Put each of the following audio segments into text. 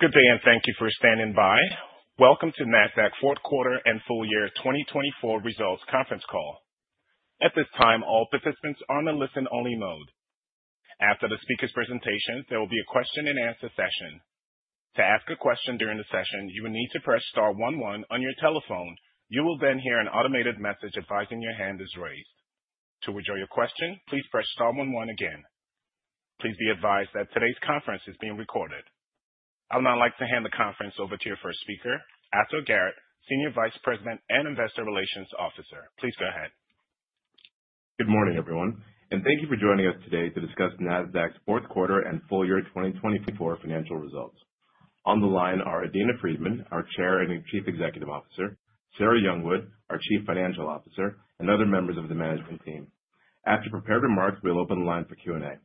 Good day, and thank you for standing by. Welcome to Nasdaq Quarter and Full Year 2024 Results Conference Call. At this time, all participants are on a listen-only mode. After the speaker's presentation, there will be a Q&A. To ask a question during the session, you will need to press star one one on your telephone. You will then hear an automated message advising your hand is raised. To withdraw your question, please press star one one again. Please be advised that today's conference is being recorded. I would now like to hand the conference over to your first speaker, Ato Garrett, Senior Vice President and Investor Relations Officer. Please go ahead. Good morning, everyone, and thank you for joining us today to discuss Nasdaq's Q4 and full year 2024 financial results. On the line are Adena Friedman, our Chair and Chief Executive Officer, Sarah Youngwood, our Chief Financial Officer, and other members of the management team. After prepared remarks, we'll open the line for Q&A.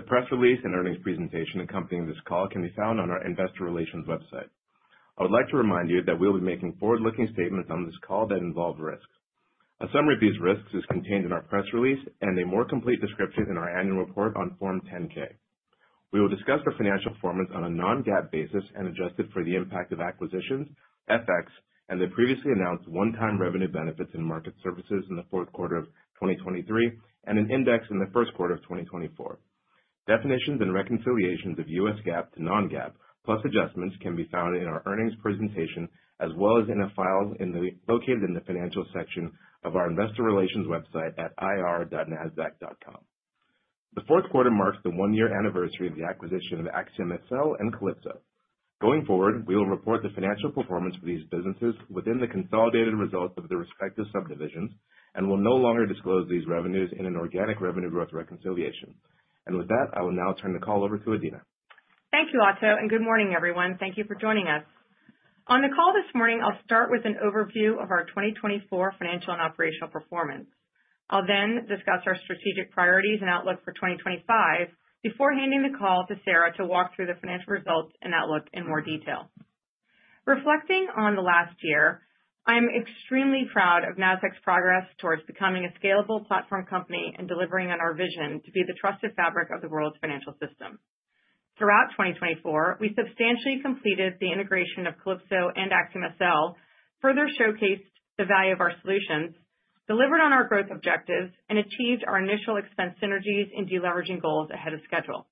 The press release and earnings presentation accompanying this call can be found on our Investor Relations website. I would like to remind you that we will be making forward-looking statements on this call that involve risks. A summary of these risks is contained in our press release and a more complete description in our annual report on Form 10-K. We will discuss our financial performance on a non-GAAP basis and adjust it for the impact of acquisitions, FX, and the previously announced one-time revenue benefits and Market Services in the Q4 of 2023, and in index in the Q1 of 2024. Definitions and reconciliations of U.S. GAAP to non-GAAP, plus adjustments, can be found in our earnings presentation as well as in a file located in the financial section of our Investor Relations website at ir.nasdaq.com. The Q4 marks the one-year anniversary of the acquisition of AxiomSL and Calypso. Going forward, we will report the financial performance for these businesses within the consolidated results of the respective subdivisions and will no longer disclose these revenues in an organic revenue growth reconciliation. And with that, I will now turn the call over to Adena. Thank you, Ato, and good morning, everyone. Thank you for joining us. On the call this morning, I'll start with an overview of our 2024 financial and operational performance. I'll then discuss our strategic priorities and outlook for 2025 before handing the call to Sarah to walk through the financial results and outlook in more detail. Reflecting on the last year, I'm extremely proud of Nasdaq's progress towards becoming a scalable platform company and delivering on our vision to be the trusted fabric of the world's financial system. Throughout 2024, we substantially completed the integration of Calypso and AxiomSL, further showcased the value of our solutions, delivered on our growth objectives, and achieved our initial expense synergies and deleveraging goals ahead of schedule.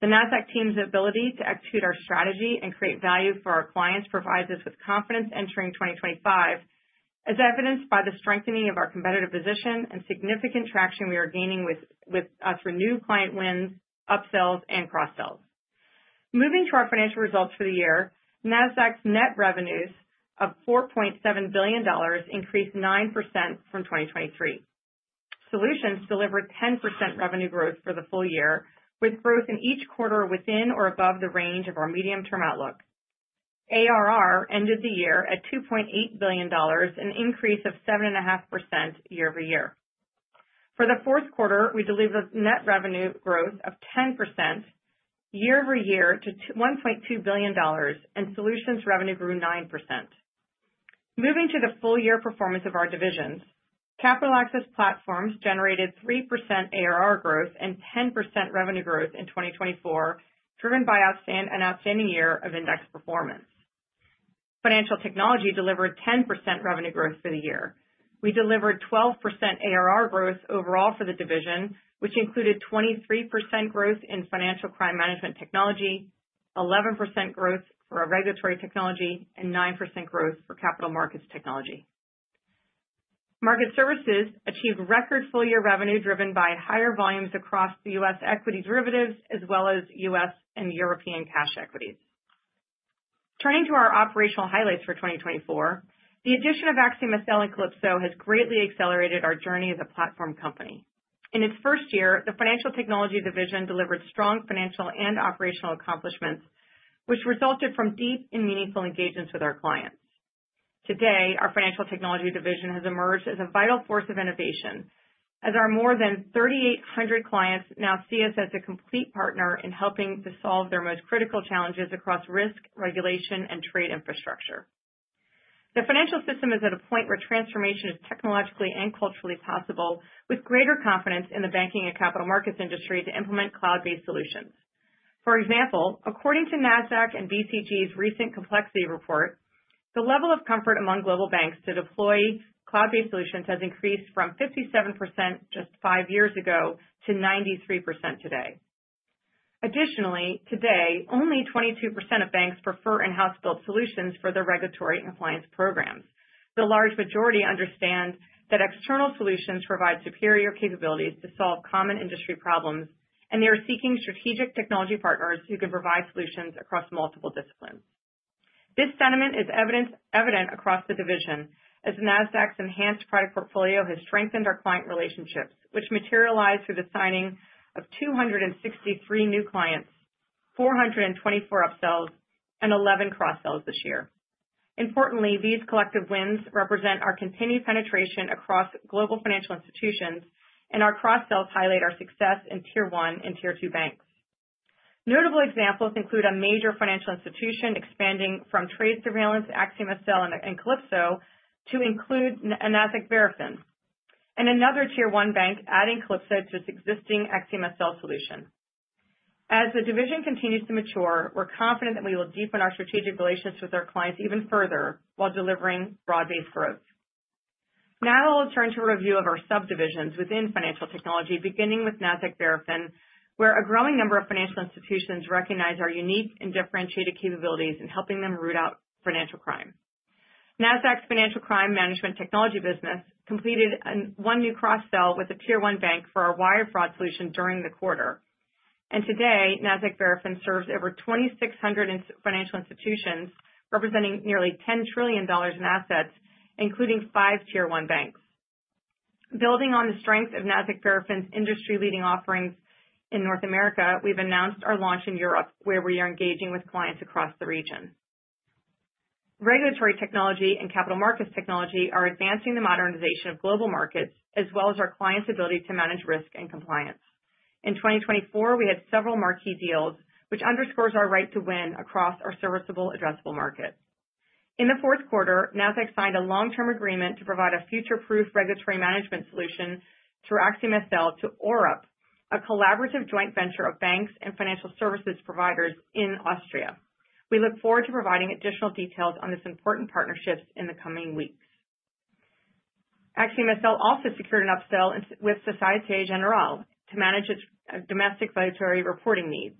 The Nasdaq team's ability to execute our strategy and create value for our clients provides us with confidence entering 2025, as evidenced by the strengthening of our competitive position and significant traction we are gaining with our renewed client wins, upsells, and cross-sells. Moving to our financial results for the year, Nasdaq's net revenues of $4.7 billion increased 9% from 2023. Solutions delivered 10% revenue growth for the full year, with growth in each quarter within or above the range of our medium-term outlook. ARR ended the year at $2.8 billion, an increase of 7.5% year over year. For the Q4, we delivered net revenue growth of 10% year over year to $1.2 billion, and Solutions revenue grew 9%. Moving to the full year performance of our divisions, Capital Access Platforms generated 3% ARR growth and 10% revenue growth in 2024, driven by an outstanding year of index performance. Financial Technology delivered 10% revenue growth for the year. We delivered 12% ARR growth overall for the division, which included 23% growth in financial crime management technology, 11% growth for regulatory technology, and 9% growth for capital markets technology. Market Services achieved record full year revenue driven by higher volumes across the U.S. equity derivatives as well as U.S. and European cash equities. Turning to our operational highlights for 2024, the addition of AxiomSL and Calypso has greatly accelerated our journey as a platform company. In its first year, the Financial Technology Division delivered strong financial and operational accomplishments, which resulted from deep and meaningful engagements with our clients. Today, our Financial Technology Division has emerged as a vital force of innovation, as our more than 3,800 clients now see us as a complete partner in helping to solve their most critical challenges across risk, regulation, and trade infrastructure. The financial system is at a point where transformation is technologically and culturally possible, with greater confidence in the banking and capital markets industry to implement cloud-based solutions. For example, according to Nasdaq and BCG's recent complexity report, the level of comfort among global banks to deploy cloud-based solutions has increased from 57% just five years ago to 93% today. Additionally, today, only 22% of banks prefer in-house built solutions for their regulatory and compliance programs. The large majority understand that external solutions provide superior capabilities to solve common industry problems, and they are seeking strategic technology partners who can provide solutions across multiple disciplines. This sentiment is evident across the division, as Nasdaq's enhanced product portfolio has strengthened our client relationships, which materialized through the signing of 263 new clients, 424 upsells, and 11 cross-sells this year. Importantly, these collective wins represent our continued penetration across global financial institutions, and our cross-sells highlight our success in Tier 1 and Tier 2 banks. Notable examples include a major financial institution expanding from trade surveillance, AxiomSL, and Calypso to include a Nasdaq Verafin, and another Tier 1 bank adding Calypso to its existing AxiomSL solution. As the division continues to mature, we're confident that we will deepen our strategic relations with our clients even further while delivering broad-based growth. Now I'll turn to a review of our subdivisions within Financial Technology, beginning with Nasdaq Verafin, where a growing number of financial institutions recognize our unique and differentiated capabilities in helping them root out financial crime. Nasdaq's Financial Crime Management Technology business completed one new cross-sell with a Tier 1 bank for our wire fraud solution during the quarter. Today, Nasdaq Verafin serves over 2,600 financial institutions, representing nearly $10 trillion in assets, including five Tier 1 banks. Building on the strength of Nasdaq Verafin's industry-leading offerings in North America, we've announced our launch in Europe, where we are engaging with clients across the region. Regulatory technology and capital markets technology are advancing the modernization of global markets, as well as our clients' ability to manage risk and compliance. In 2024, we had several marquee deals, which underscores our right to win across our serviceable, addressable markets. In the Q4, Nasdaq signed a long-term agreement to provide a future-proof regulatory management solution through AxiomSL to AuRep, a collaborative joint venture of banks and financial services providers in Austria. We look forward to providing additional details on this important partnership in the coming weeks. AxiomSL also secured an upsell with Société Générale to manage its domestic regulatory reporting needs.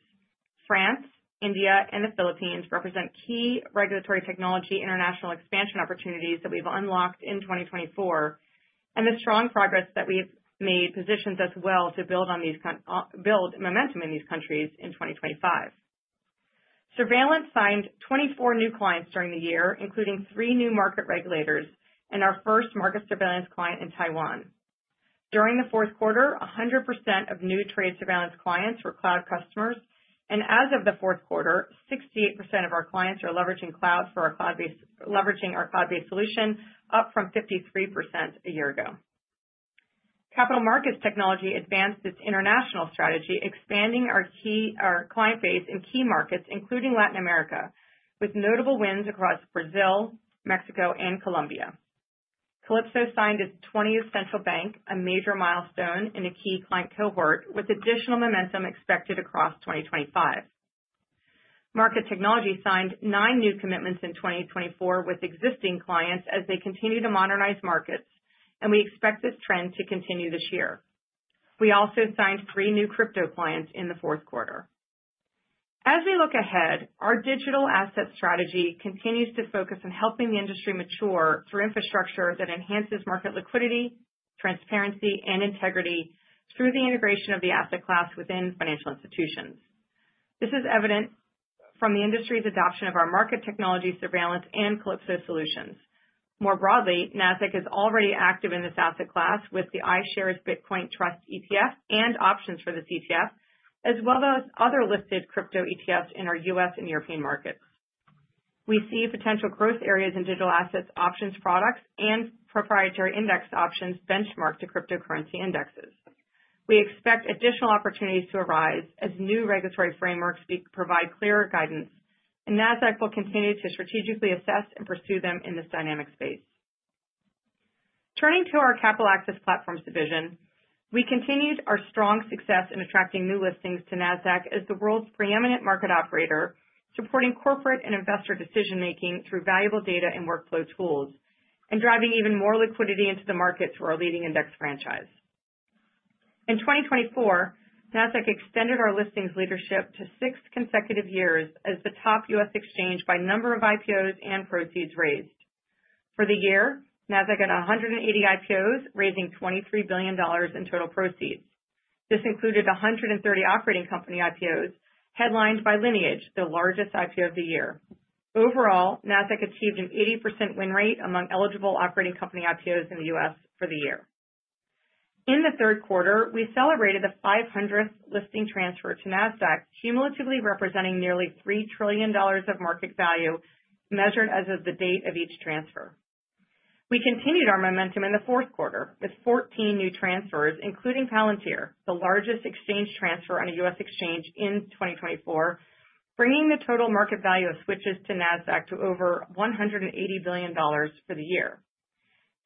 France, India, and the Philippines represent key regulatory technology international expansion opportunities that we've unlocked in 2024, and the strong progress that we've made positions us well to build momentum in these countries in 2025. Surveillance signed 24 new clients during the year, including three new market regulators and our first market surveillance client in Taiwan. During the Q4, 100% of new trade surveillance clients were cloud customers, and as of the Q4, 68% of our clients are leveraging cloud for our cloud-based solution, up from 53% a year ago. Capital Markets Technology advanced its international strategy, expanding our client base in key markets, including Latin America, with notable wins across Brazil, Mexico, and Colombia. Calypso signed its 20th central bank, a major milestone in a key client cohort, with additional momentum expected across 2025. Market Technology signed nine new commitments in 2024 with existing clients as they continue to modernize markets, and we expect this trend to continue this year. We also signed three new crypto clients in the Q4. As we look ahead, our digital asset strategy continues to focus on helping the industry mature through infrastructure that enhances market liquidity, transparency, and integrity through the integration of the asset class within financial institutions. This is evident from the industry's adoption of our market technology surveillance and Calypso solutions. More broadly, Nasdaq is already active in this asset class with the iShares Bitcoin Trust ETF and options for this ETF, as well as other listed crypto ETFs in our U.S. and European markets. We see potential growth areas in digital assets, options products, and proprietary index options benchmarked to cryptocurrency indexes. We expect additional opportunities to arise as new regulatory frameworks provide clearer guidance, and Nasdaq will continue to strategically assess and pursue them in this dynamic space. Turning to our Capital Access Platforms division, we continued our strong success in attracting new listings to Nasdaq as the world's preeminent market operator, supporting corporate and investor decision-making through valuable data and workflow tools, and driving even more liquidity into the markets for our leading index franchise. In 2024, Nasdaq extended our listings leadership to six consecutive years as the top U.S. exchange by number of IPOs and proceeds raised. For the year, Nasdaq had 180 IPOs, raising $23 billion in total proceeds. This included 130 operating company IPOs, headlined by Lineage, the largest IPO of the year. Overall, Nasdaq achieved an 80% win rate among eligible operating company IPOs in the U.S. for the year. In the Q3, we celebrated the 500th listing transfer to Nasdaq, cumulatively representing nearly $3 trillion of market value measured as of the date of each transfer. We continued our momentum in the Q4 with 14 new transfers, including Palantir, the largest exchange transfer on a U.S. exchange in 2024, bringing the total market value of switches to Nasdaq to over $180 billion for the year,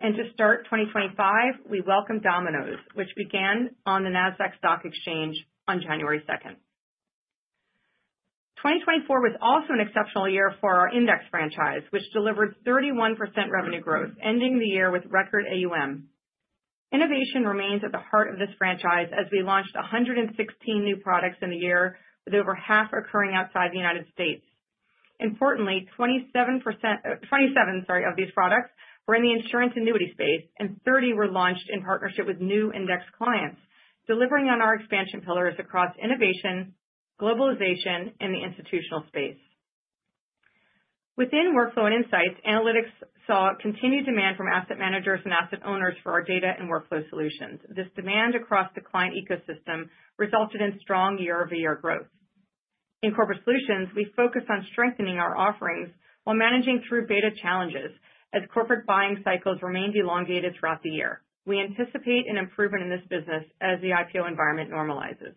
and to start 2025, we welcomed Domino's, which began on the Nasdaq Stock Exchange on January 2nd. 2024 was also an exceptional year for our index franchise, which delivered 31% revenue growth, ending the year with record AUM. Innovation remains at the heart of this franchise as we launched 116 new products in the year, with over half occurring outside the United States. Importantly, 27%, 27, sorry, of these products were in the insurance annuity space, and 30 were launched in partnership with new index clients, delivering on our expansion pillars across innovation, globalization, and the institutional space. Within workflow and insights, analytics saw continued demand from asset managers and asset owners for our data and workflow solutions. This demand across the client ecosystem resulted in strong year-over-year growth. In corporate solutions, we focus on strengthening our offerings while managing through beta challenges as corporate buying cycles remained elongated throughout the year. We anticipate an improvement in this business as the IPO environment normalizes.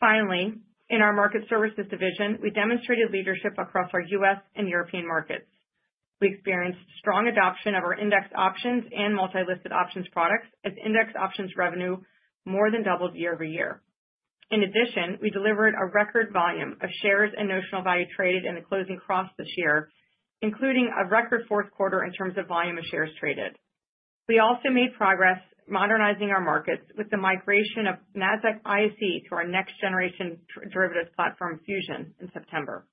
Finally, in our Market Services division, we demonstrated leadership across our U.S. and European markets. We experienced strong adoption of our index options and multi-listed options products as index options revenue more than doubled year over year. In addition, we delivered a record volume of shares and notional value traded in the Closing Cross this year, including a record Q4 in terms of volume of shares traded. We also made progress modernizing our markets with the migration of Nasdaq ISE to our next-generation derivatives platform Fusion in September.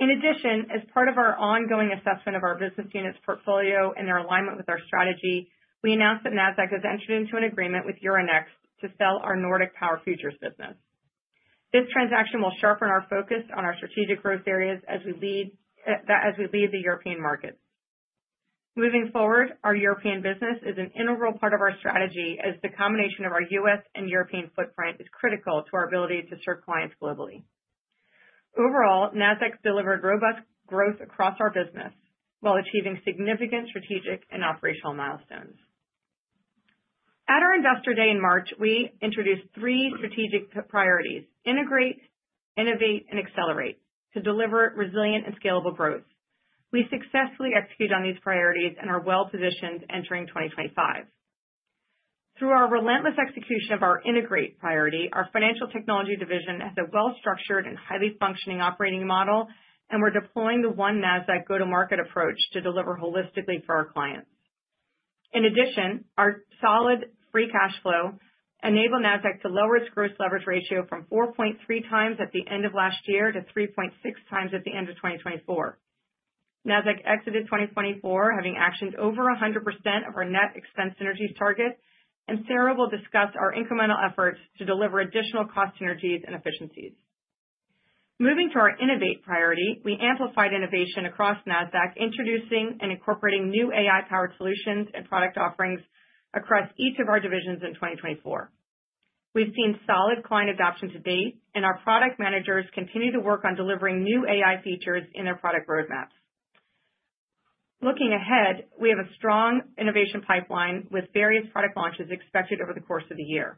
In addition, as part of our ongoing assessment of our business units portfolio and their alignment with our strategy, we announced that Nasdaq has entered into an agreement with Euronext to sell our Nordic Power Futures business. This transaction will sharpen our focus on our strategic growth areas as we lead the European markets. Moving forward, our European business is an integral part of our strategy as the combination of our U.S. and European footprint is critical to our ability to serve clients globally. Overall, Nasdaq delivered robust growth across our business while achieving significant strategic and operational milestones. At our Investor Day in March, we introduced three strategic priorities: Integrate, Innovate, and Accelerate to deliver resilient and scalable growth. We successfully executed on these priorities and are well-positioned entering 2025. Through our relentless execution of our Integrate priority, our Financial Technology Division has a well-structured and highly functioning operating model, and we're deploying the one Nasdaq go-to-market approach to deliver holistically for our clients. In addition, our solid free cash flow enabled Nasdaq to lower its gross leverage ratio from 4.3 times at the end of last year to 3.6 times at the end of 2024. Nasdaq exited 2024, having actioned over 100% of our net expense synergies target, and Sarah will discuss our incremental efforts to deliver additional cost synergies and efficiencies. Moving to our Innovate priority, we amplified innovation across Nasdaq, introducing and incorporating new AI-powered solutions and product offerings across each of our divisions in 2024. We've seen solid client adoption to date, and our product managers continue to work on delivering new AI features in their product roadmaps. Looking ahead, we have a strong innovation pipeline with various product launches expected over the course of the year.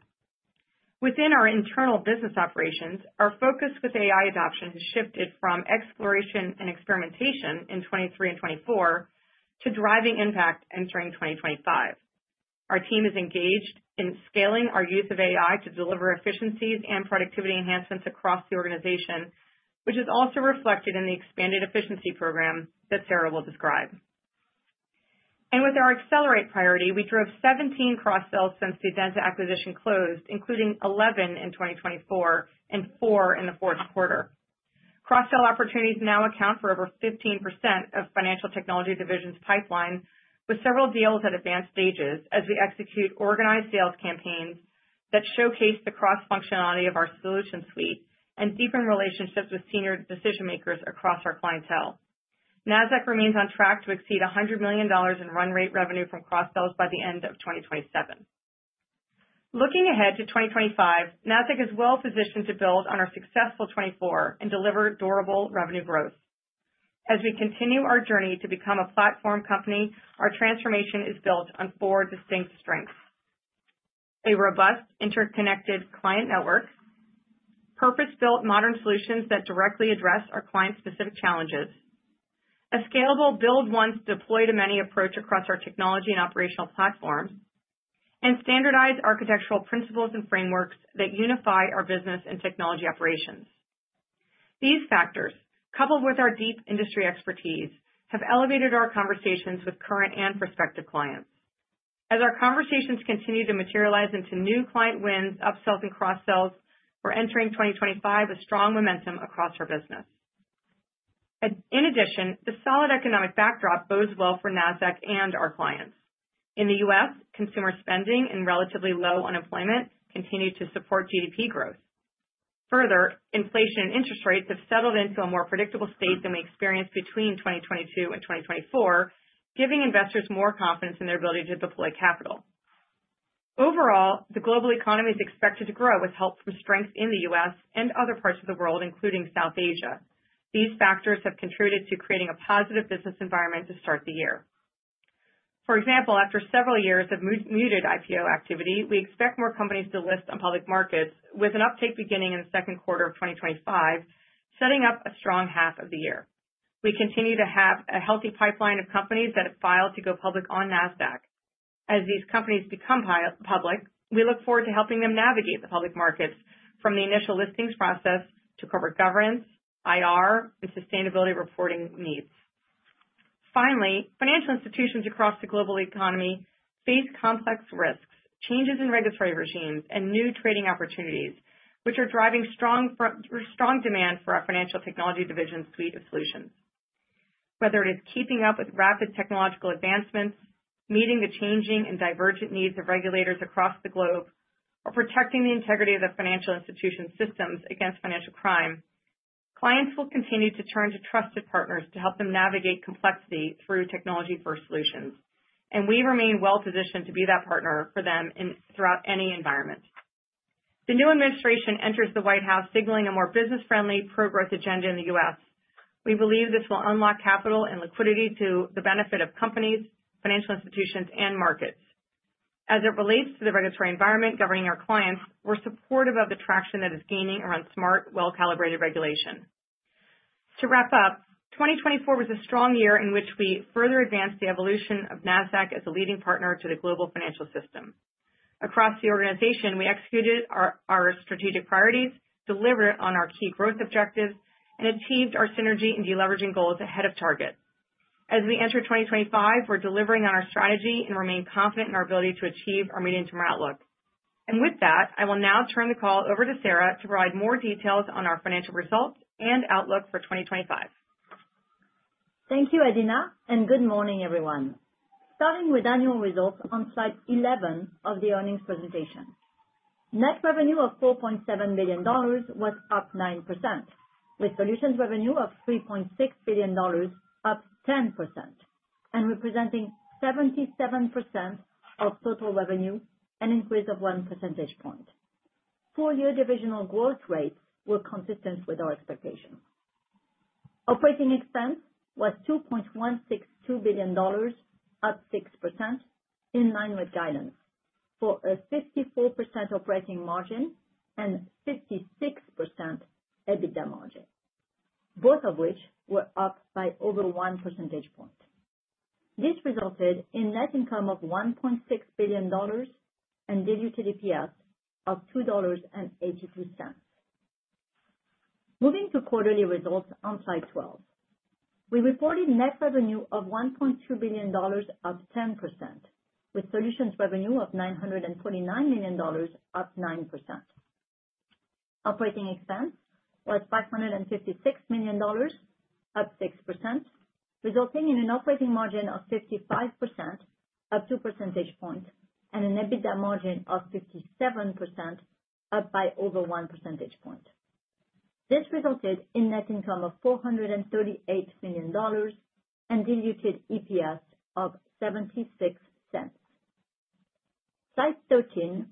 Within our internal business operations, our focus with AI adoption has shifted from exploration and experimentation in 2023 and 2024 to driving impact entering 2025. Our team is engaged in scaling our use of AI to deliver efficiencies and productivity enhancements across the organization, which is also reflected in the expanded efficiency program that Sarah will describe, and with our Accelerate priority, we drove 17 cross-sells since the Adenza acquisition closed, including 11 in 2024 and four in the Q4. Cross-sell opportunities now account for over 15% of Financial Technology Division's pipeline, with several deals at advanced stages as we execute organized sales campaigns that showcase the cross-functionality of our solution suite and deepen relationships with senior decision-makers across our clientele. Nasdaq remains on track to exceed $100 million in run rate revenue from cross-sells by the end of 2027. Looking ahead to 2025, Nasdaq is well-positioned to build on our successful 2024 and deliver durable revenue growth. As we continue our journey to become a platform company, our transformation is built on four distinct strengths: a robust interconnected client network, purpose-built modern solutions that directly address our client-specific challenges, a scalable build-once-deploy-to-many approach across our technology and operational platforms, and standardized architectural principles and frameworks that unify our business and technology operations. These factors, coupled with our deep industry expertise, have elevated our conversations with current and prospective clients. As our conversations continue to materialize into new client wins, upsells, and cross-sells, we're entering 2025 with strong momentum across our business. In addition, the solid economic backdrop bodes well for Nasdaq and our clients. In the U.S., consumer spending and relatively low unemployment continue to support GDP growth. Further, inflation and interest rates have settled into a more predictable state than we experienced between 2022 and 2024, giving investors more confidence in their ability to deploy capital. Overall, the global economy is expected to grow with help from strength in the U.S. and other parts of the world, including South Asia. These factors have contributed to creating a positive business environment to start the year. For example, after several years of muted IPO activity, we expect more companies to list on public markets, with an uptake beginning in the Q2 of 2025, setting up a strong half of the year. We continue to have a healthy pipeline of companies that have filed to go public on Nasdaq. As these companies become public, we look forward to helping them navigate the public markets from the initial listings process to corporate governance, IR, and sustainability reporting needs. Finally, financial institutions across the global economy face complex risks, changes in regulatory regimes, and new trading opportunities, which are driving strong demand for our Financial Technology Division suite of solutions. Whether it is keeping up with rapid technological advancements, meeting the changing and divergent needs of regulators across the globe, or protecting the integrity of the financial institution systems against financial crime, clients will continue to turn to trusted partners to help them navigate complexity through technology-first solutions, and we remain well-positioned to be that partner for them throughout any environment. The new administration enters the White House, signaling a more business-friendly, pro-growth agenda in the U.S. We believe this will unlock capital and liquidity to the benefit of companies, financial institutions, and markets. As it relates to the regulatory environment governing our clients, we're supportive of the traction that is gaining around smart, well-calibrated regulation. To wrap up, 2024 was a strong year in which we further advanced the evolution of Nasdaq as a leading partner to the global financial system. Across the organization, we executed our strategic priorities, delivered on our key growth objectives, and achieved our synergy and deleveraging goals ahead of target. As we enter 2025, we're delivering on our strategy and remain confident in our ability to achieve our medium-term outlook. And with that, I will now turn the call over to Sarah to provide more details on our financial results and outlook for 2025. Thank you, Adena, and good morning, everyone. Starting with annual results on Slide 11 of the earnings presentation. Net revenue of $4.7 billion was up 9%, with solutions revenue of $3.6 billion up 10%, and representing 77% of total revenue, an increase of one percentage point. Four-year divisional growth rates were consistent with our expectations. Operating expense was $2.162 billion, up 6%, in line with guidance for a 54% operating margin and 56% EBITDA margin, both of which were up by over one percentage point. This resulted in net income of $1.6 billion and diluted EPS of $2.82. Moving to quarterly results on Slide 12, we reported net revenue of $1.2 billion, up 10%, with solutions revenue of $949 million, up 9%. Operating expense was $556 million, up 6%, resulting in an operating margin of 55%, up 2 percentage points, and an EBITDA margin of 57%, up by over one percentage point. This resulted in net income of $438 million and diluted EPS of $0.76. Slide 13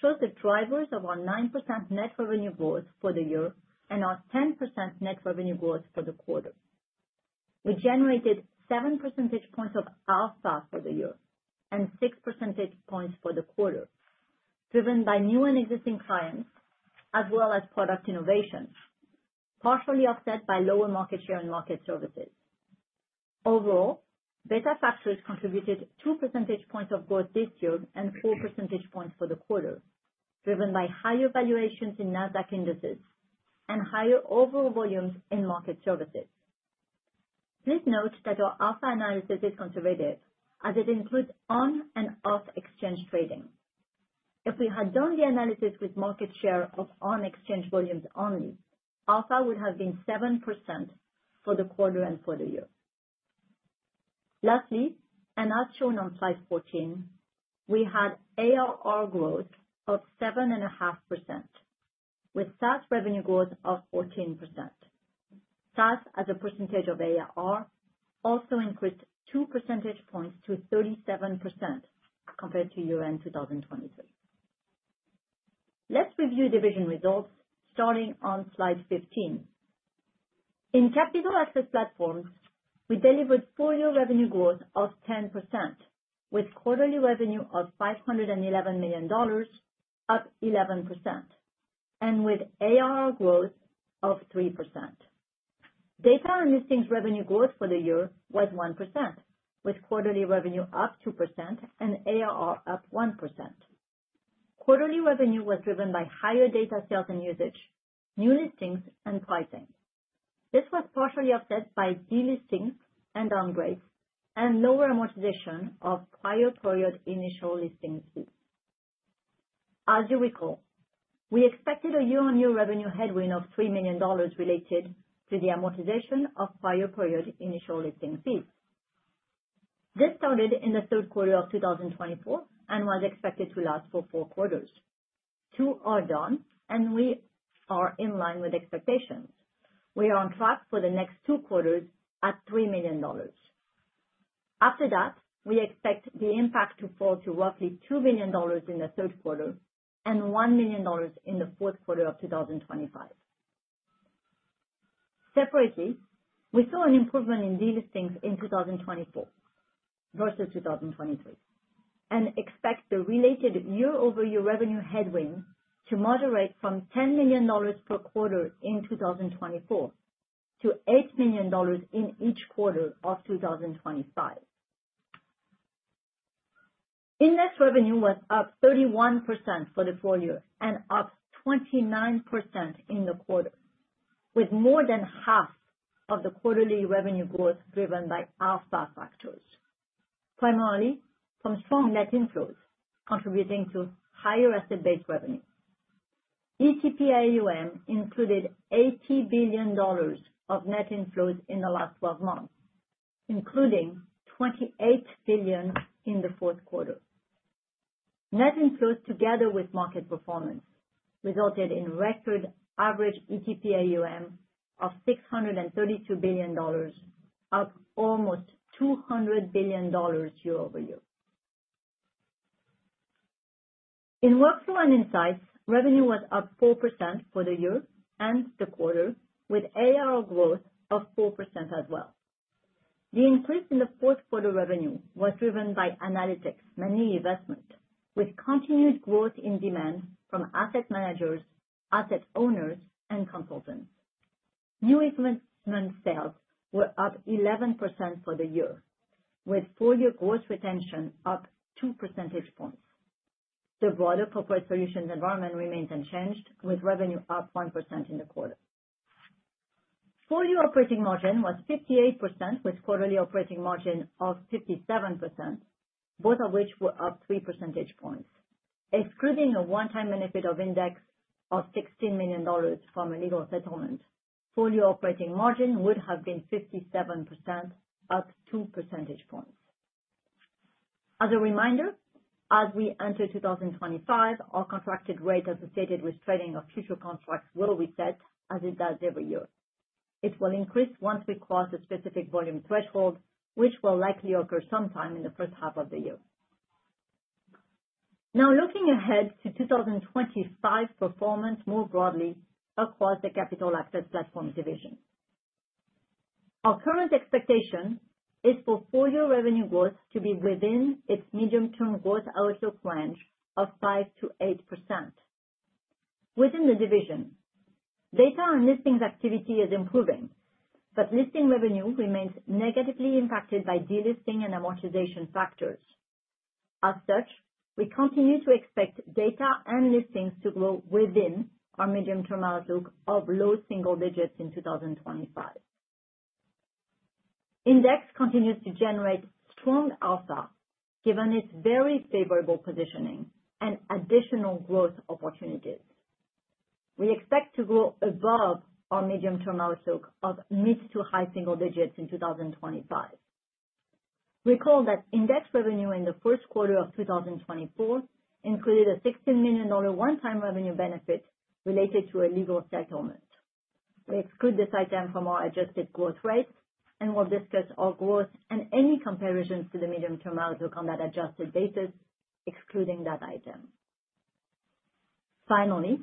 shows the drivers of our 9% net revenue growth for the year and our 10% net revenue growth for the quarter. We generated 7 percentage points of alpha for the year and 6 percentage points for the quarter, driven by new and existing clients, as well as product innovation, partially offset by lower market share in market services. Overall, beta factors contributed 2 percentage points of growth this year and 4 percentage points for the quarter, driven by higher valuations in Nasdaq indices and higher overall volumes in market services. Please note that our alpha analysis is conservative, as it includes on and off-exchange trading. If we had done the analysis with market share of on-exchange volumes only, alpha would have been 7% for the quarter and for the year. Lastly, as shown on Slide 14, we had ARR growth of 7.5%, with SaaS revenue growth of 14%. SaaS, as a percentage of ARR, also increased 2 percentage points to 37% compared to year-end 2023. Let's review division results starting on Slide 15. In Capital Access Platforms, we delivered four-year revenue growth of 10%, with quarterly revenue of $511 million, up 11%, and with ARR growth of 3%. Data and listings revenue growth for the year was 1%, with quarterly revenue up 2% and ARR up 1%. Quarterly revenue was driven by higher data sales and usage, new listings, and pricing. This was partially offset by delistings and downgrades and lower amortization of prior period initial listing fees. As you recall, we expected a year-on-year revenue headwind of $3 million related to the amortization of prior period initial listing fees. This started in the Q3 of 2024 and was expected to last for four quarters. Two are done, and we are in line with expectations. We are on track for the next two quarters at $3 million. After that, we expect the impact to fall to roughly $2 million in the Q3 and $1 million in the Q4 of 2025. Separately, we saw an improvement in delistings in 2024 versus 2023 and expect the related year-over-year revenue headwind to moderate from $10 million per quarter in 2024 to $8 million in each quarter of 2025. Index revenue was up 31% for the full year and up 29% in the quarter, with more than half of the quarterly revenue growth driven by alpha factors, primarily from strong net inflows contributing to higher asset-based revenue. ETPAUM included $80 billion of net inflows in the last 12 months, including $28 billion in the Q4. Net inflows, together with market performance, resulted in record average ETPAUM of $632 billion, up almost $200 billion year-over-year. In Workflow and Insights, revenue was up 4% for the year and the quarter, with ARR growth of 4% as well. The increase in the Q4 revenue was driven by analytics, namely eVestment, with continued growth in demand from asset managers, asset owners, and consultants. New investment sales were up 11% for the year, with full-year gross retention up 2 percentage points. The broader corporate solutions environment remains unchanged, with revenue up 1% in the quarter. Full-year operating margin was 58%, with quarterly operating margin of 57%, both of which were up 3 percentage points. Excluding a one-time benefit to Index of $16 million from a legal settlement, full-year operating margin would have been 57%, up 2 percentage points. As a reminder, as we enter 2025, our contracted rate associated with trading of futures contracts will reset, as it does every year. It will increase once we cross a specific volume threshold, which will likely occur sometime in the first half of the year. Now, looking ahead to 2025 performance more broadly across the Capital Access Platforms division, our current expectation is for full-year revenue growth to be within its medium-term growth outlook range of 5%-8%. Within the division, data and listings activity is improving, but listing revenue remains negatively impacted by delisting and amortization factors. As such, we continue to expect data and listings to grow within our medium-term outlook of low single digits in 2025. Index continues to generate strong alpha, given its very favorable positioning and additional growth opportunities. We expect to grow above our medium-term outlook of mid to high single digits in 2025. Recall that index revenue in the Q1 of 2024 included a $16 million one-time revenue benefit related to a legal settlement. We exclude this item from our adjusted growth rate and will discuss our growth and any comparisons to the medium-term outlook on that adjusted basis, excluding that item. Finally,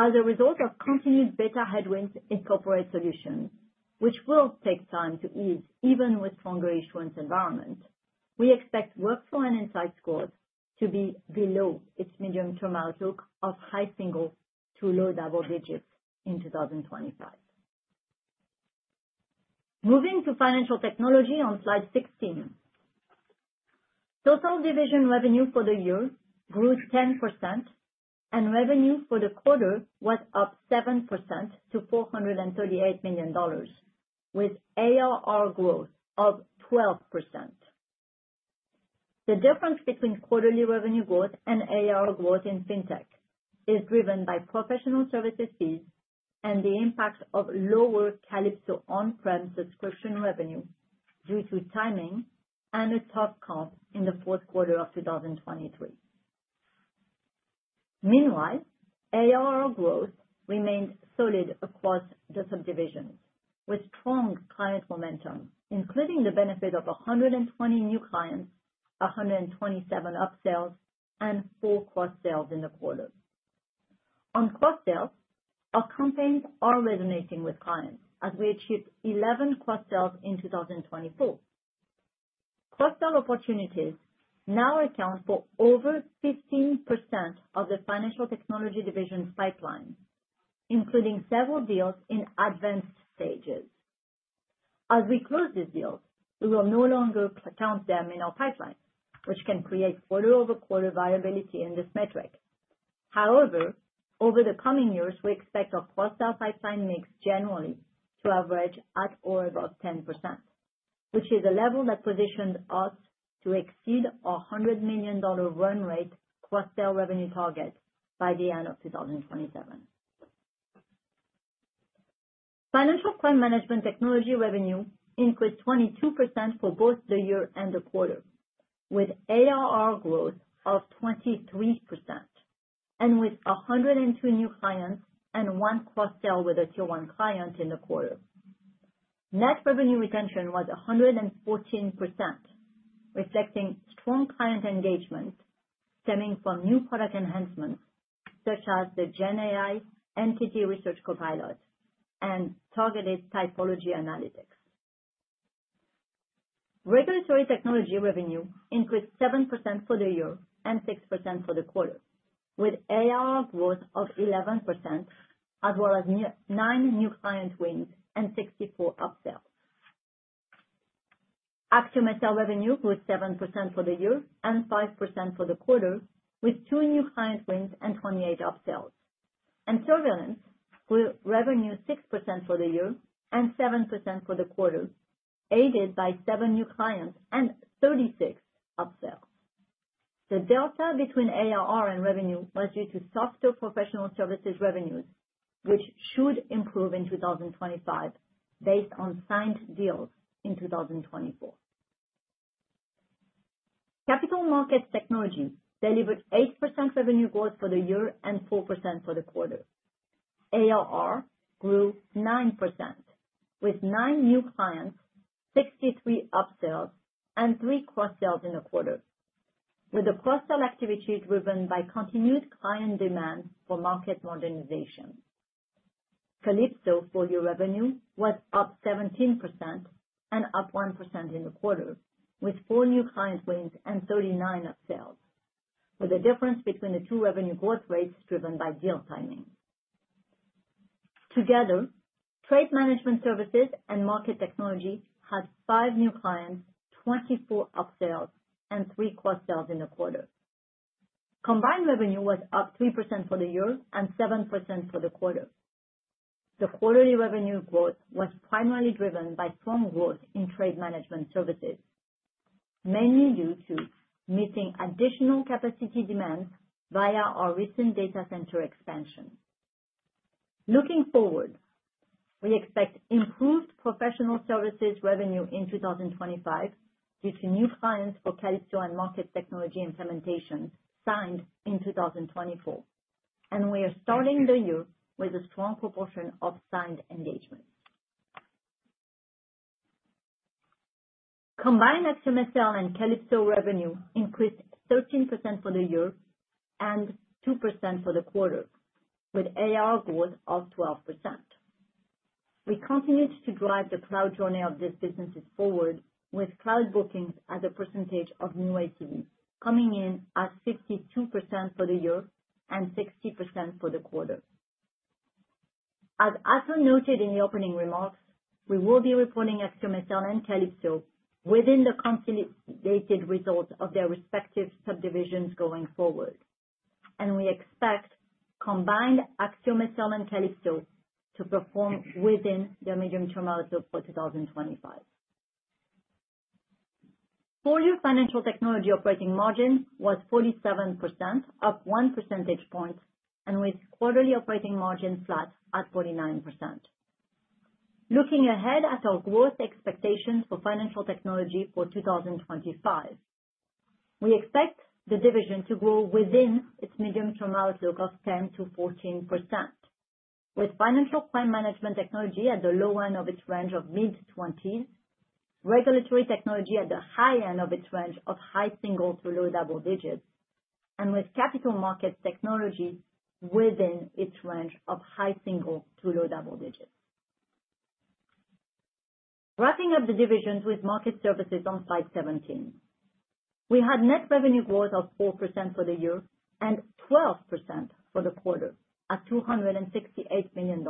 as a result of continued beta headwinds in corporate solutions, which will take time to ease even with stronger issuance environment, we expect workflow and insights scores to be below its medium-term outlook of high single- to low double-digit in 2025. Moving to financial technology on Slide 16, total division revenue for the year grew 10%, and revenue for the quarter was up 7% to $438 million, with ARR growth of 12%. The difference between quarterly revenue growth and ARR growth in fintech is driven by professional services fees and the impact of lower Calypso on-prem subscription revenue due to timing and a tough comp in the Q4 of 2023. Meanwhile, ARR growth remained solid across the subdivisions, with strong client momentum, including the benefit of 120 new clients, 127 upsales, and four cross-sales in the quarter. On cross-sales, our campaigns are resonating with clients, as we achieved 11 cross-sales in 2024. Cross-sale opportunities now account for over 15% of the financial technology division's pipeline, including several deals in advanced stages. As we close these deals, we will no longer count them in our pipeline, which can create quarter-over-quarter variability in this metric. However, over the coming years, we expect our cross-sale pipeline mix generally to average at or above 10%, which is a level that positions us to exceed our $100 million run rate cross-sale revenue target by the end of 2027. Financial Crime Management Technology revenue increased 22% for both the year and the quarter, with ARR growth of 23%, and with 102 new clients and one cross-sale with a tier-one client in the quarter. Net revenue retention was 114%, reflecting strong client engagement stemming from new product enhancements such as the GenAI Entity Research Copilot and targeted typology analytics. Regulatory Technology revenue increased 7% for the year and 6% for the quarter, with ARR growth of 11%, as well as nine new client wins and 64 upsales. AxiomSL revenue grew 7% for the year and 5% for the quarter, with two new client wins and 28 upsales, and surveillance grew revenue 6% for the year and 7% for the quarter, aided by seven new clients and 36 upsales. The delta between ARR and revenue was due to softer professional services revenues, which should improve in 2025 based on signed deals in 2024. Capital Markets Technology delivered 8% revenue growth for the year and 4% for the quarter. ARR grew 9%, with nine new clients, 63 upsales, and three cross-sales in the quarter, with the cross-sale activity driven by continued client demand for market modernization. Calypso full-year revenue was up 17% and up 1% in the quarter, with four new client wins and 39 upsales, with a difference between the two revenue growth rates driven by deal timing. Together, trade management services and market technology had five new clients, 24 upsales, and three cross-sales in the quarter. Combined revenue was up 3% for the year and 7% for the quarter. The quarterly revenue growth was primarily driven by strong growth in trade management services, mainly due to meeting additional capacity demands via our recent data center expansion. Looking forward, we expect improved professional services revenue in 2025 due to new clients for Calypso and market technology implementation signed in 2024, and we are starting the year with a strong proportion of signed engagements. Combined AxiomSL and Calypso revenue increased 13% for the year and 2% for the quarter, with ARR growth of 12%. We continued to drive the cloud journey of these businesses forward, with cloud bookings as a percentage of new ACVs coming in at 52% for the year and 60% for the quarter. As Asser noted in the opening remarks, we will be reporting AxiomSL and Calypso within the consolidated results of their respective subdivisions going forward, and we expect combined AxiomSL and Calypso to perform within their medium-term outlook for 2025. Full-year financial technology operating margin was 47%, up 1 percentage point, and with quarterly operating margin flat at 49%. Looking ahead at our growth expectations for financial technology for 2025, we expect the division to grow within its medium-term outlook of 10%-14%, with financial crime management technology at the low end of its range of mid-20s, regulatory technology at the high end of its range of high single to low double digits, and with capital markets technology within its range of high single to low double digits. Wrapping up the divisions with Market Services on Slide 17, we had net revenue growth of 4% for the year and 12% for the quarter at $268 million.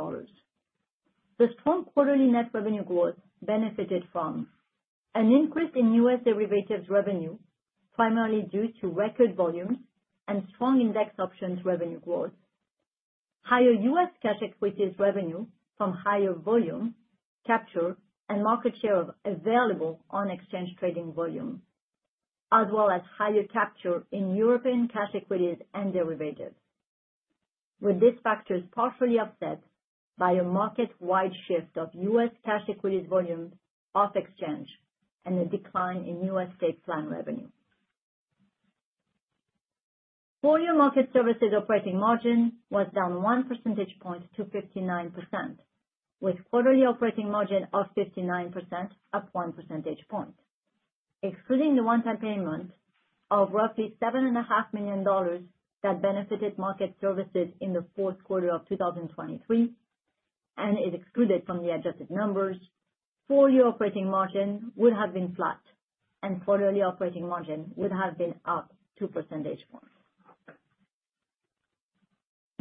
The strong quarterly net revenue growth benefited from an increase in U.S. derivatives revenue, primarily due to record volumes and strong index options revenue growth, higher U.S. cash equities revenue from higher volume capture and market share available on exchange trading volume, as well as higher capture in European cash equities and derivatives, with these factors partially offset by a market-wide shift of U.S. cash equities volume off exchange and a decline in U.S. SIP revenue. Full-year Market Services operating margin was down one percentage point to 59%, with quarterly operating margin of 59% up one percentage point. Excluding the one-time payment of roughly $7.5 million that benefited Market Services in the Q4 of 2023 and is excluded from the adjusted numbers, four-year operating margin would have been flat, and quarterly operating margin would have been up 2 percentage points.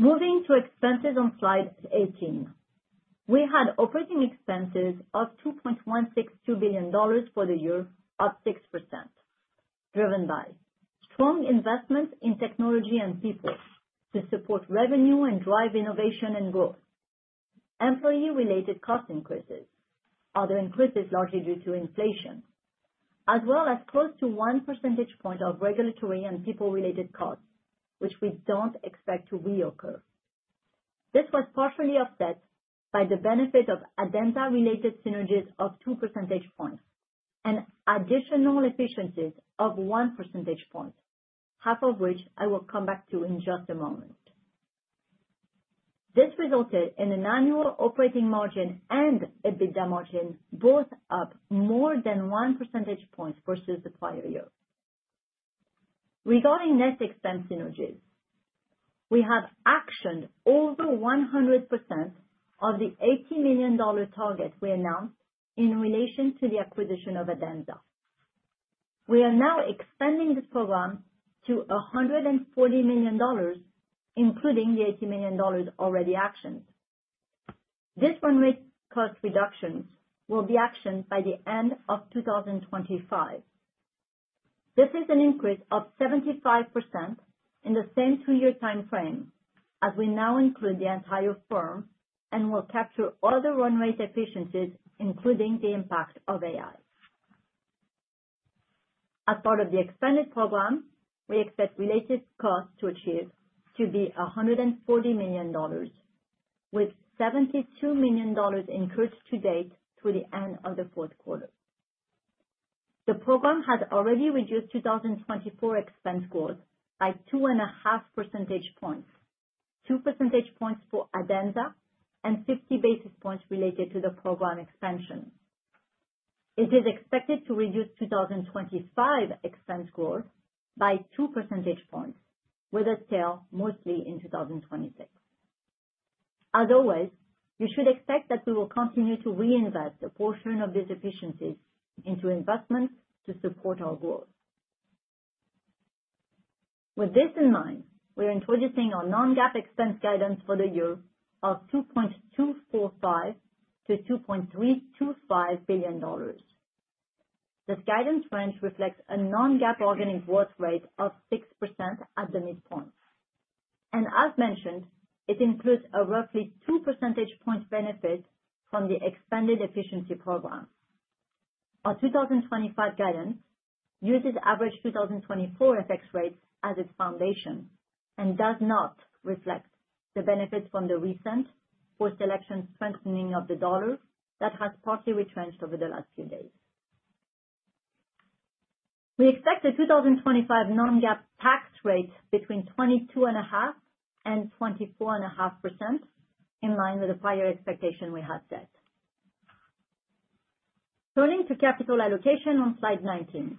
Moving to expenses on Slide 18, we had operating expenses of $2.162 billion for the year, up 6%, driven by strong investments in technology and people to support revenue and drive innovation and growth, employee-related cost increases, other increases largely due to inflation, as well as close to 1 percentage point of regulatory and people-related costs, which we don't expect to reoccur. This was partially offset by the benefit of Adenza-related synergies of 2 percentage points and additional efficiencies of 1 percentage point, half of which I will come back to in just a moment. This resulted in an annual operating margin and EBITDA margin both up more than 1 percentage point versus the prior year. Regarding net expense synergies, we have actioned over 100% of the $80 million target we announced in relation to the acquisition of Adenza. We are now expanding this program to $140 million, including the $80 million already actioned. These run rate cost reductions will be actioned by the end of 2025. This is an increase of 75% in the same two-year time frame as we now include the entire firm and will capture other run rate efficiencies, including the impact of AI. As part of the expanded program, we expect related costs to achieve to be $140 million, with $72 million incurred to date through the end of the Q4. The program has already reduced 2024 expense growth by 2.5 percentage points, 2 percentage points for Adenza, and 50 basis points related to the program expansion. It is expected to reduce 2025 expense growth by 2 percentage points, with a tail mostly in 2026. As always, you should expect that we will continue to reinvest a portion of these efficiencies into investments to support our growth. With this in mind, we are introducing our non-GAAP expense guidance for the year of $2.245-$2.325 billion. This guidance range reflects a non-GAAP organic growth rate of 6% at the midpoint, and as mentioned, it includes a roughly 2 percentage point benefit from the expanded efficiency program. Our 2025 guidance uses average 2024 FX rates as its foundation and does not reflect the benefits from the recent post-election strengthening of the dollar that has partly retrenched over the last few days. We expect the 2025 non-GAAP tax rate between 22.5% and 24.5%, in line with the prior expectation we had set. Turning to capital allocation on Slide 19,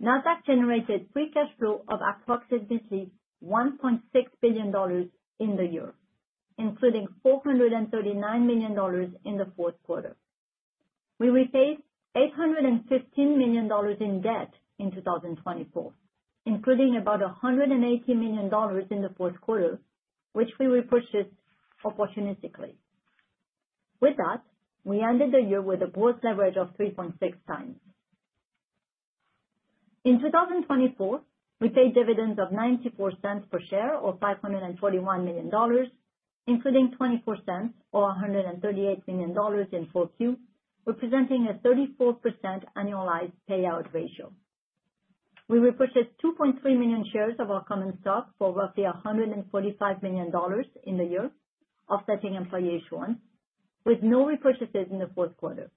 Nasdaq generated free cash flow of approximately $1.6 billion in the year, including $439 million in the Q4. We repaid $815 million in debt in 2024, including about $180 million in the Q4, which we repurchased opportunistically. With that, we ended the year with a gross leverage of 3.6 times. In 2024, we paid dividends of $0.94 per share or $541 million, including $0.24 or $138 million in 4Q, representing a 34% annualized payout ratio. We repurchased 2.3 million shares of our common stock for roughly $145 million in the year, offsetting employee issuance, with no repurchases in the Q4.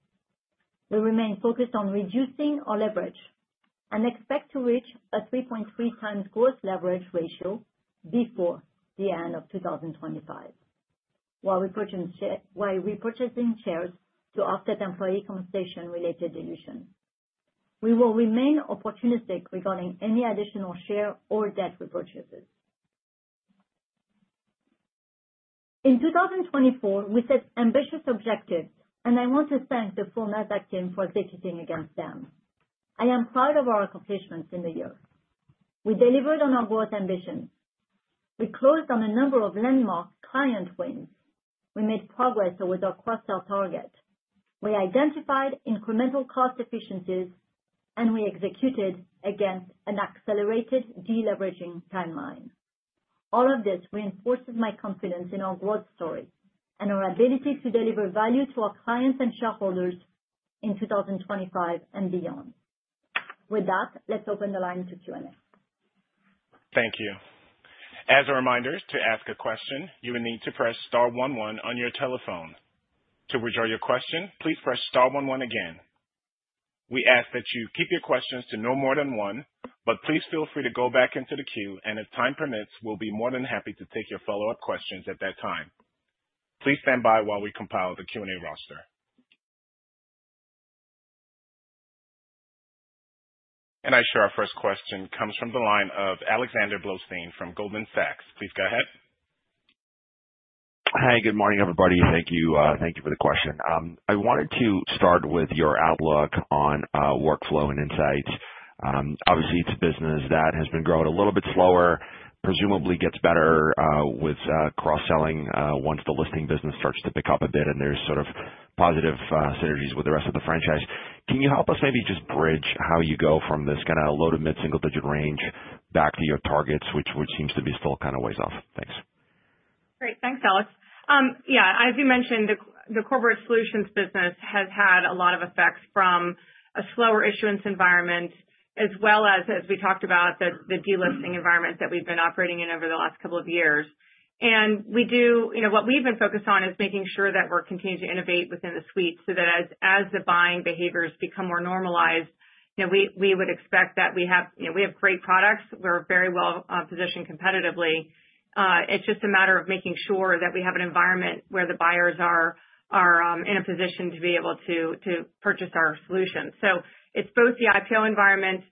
We remain focused on reducing our leverage and expect to reach a 3.3 times gross leverage ratio before the end of 2025, while repurchasing shares to offset employee compensation-related dilution. We will remain opportunistic regarding any additional share or debt repurchases. In 2024, we set ambitious objectives, and I want to thank the full Nasdaq team for executing against them. I am proud of our accomplishments in the year. We delivered on our growth ambitions. We closed on a number of landmark client wins. We made progress towards our cross-sale target. We identified incremental cost efficiencies, and we executed against an accelerated deleveraging timeline. All of this reinforces my confidence in our growth story and our ability to deliver value to our clients and shareholders in 2025 and beyond. With that, let's open the line to Q&A. Thank you. As a reminder, to ask a question, you will need to press Star one one on your telephone. To withdraw your question, please press Star one one again. We ask that you keep your questions to no more than one, but please feel free to go back into the queue, and if time permits, we'll be more than happy to take your follow-up questions at that time. Please stand by while we compile the Q&A roster. And our first question comes from the line of Alexander Blostein from Goldman Sachs. Please go ahead. Hi, good morning, everybody. Thank you for the question. I wanted to start with your outlook on workflow and insights. Obviously, it's a business that has been growing a little bit slower, presumably gets better with cross-selling once the listing business starts to pick up a bit, and there's sort of positive synergies with the rest of the franchise. Can you help us maybe just bridge how you go from this kind of low- to mid-single-digit range back to your targets, which seems to be still kind of ways off? Thanks. Great. Thanks, Alex, as you mentioned, the corporate solutions business has had a lot of effects from a slower issuance environment, as well as, as we talked about, the delisting environment that we've been operating in over the last couple of years. And what we've been focused on is making sure that we're continuing to innovate within the suite so that as the buying behaviors become more normalized, we would expect that we have great products. We're very well positioned competitively. It's just a matter of making sure that we have an environment where the buyers are in a position to be able to purchase our solutions. So it's both the IPO environment,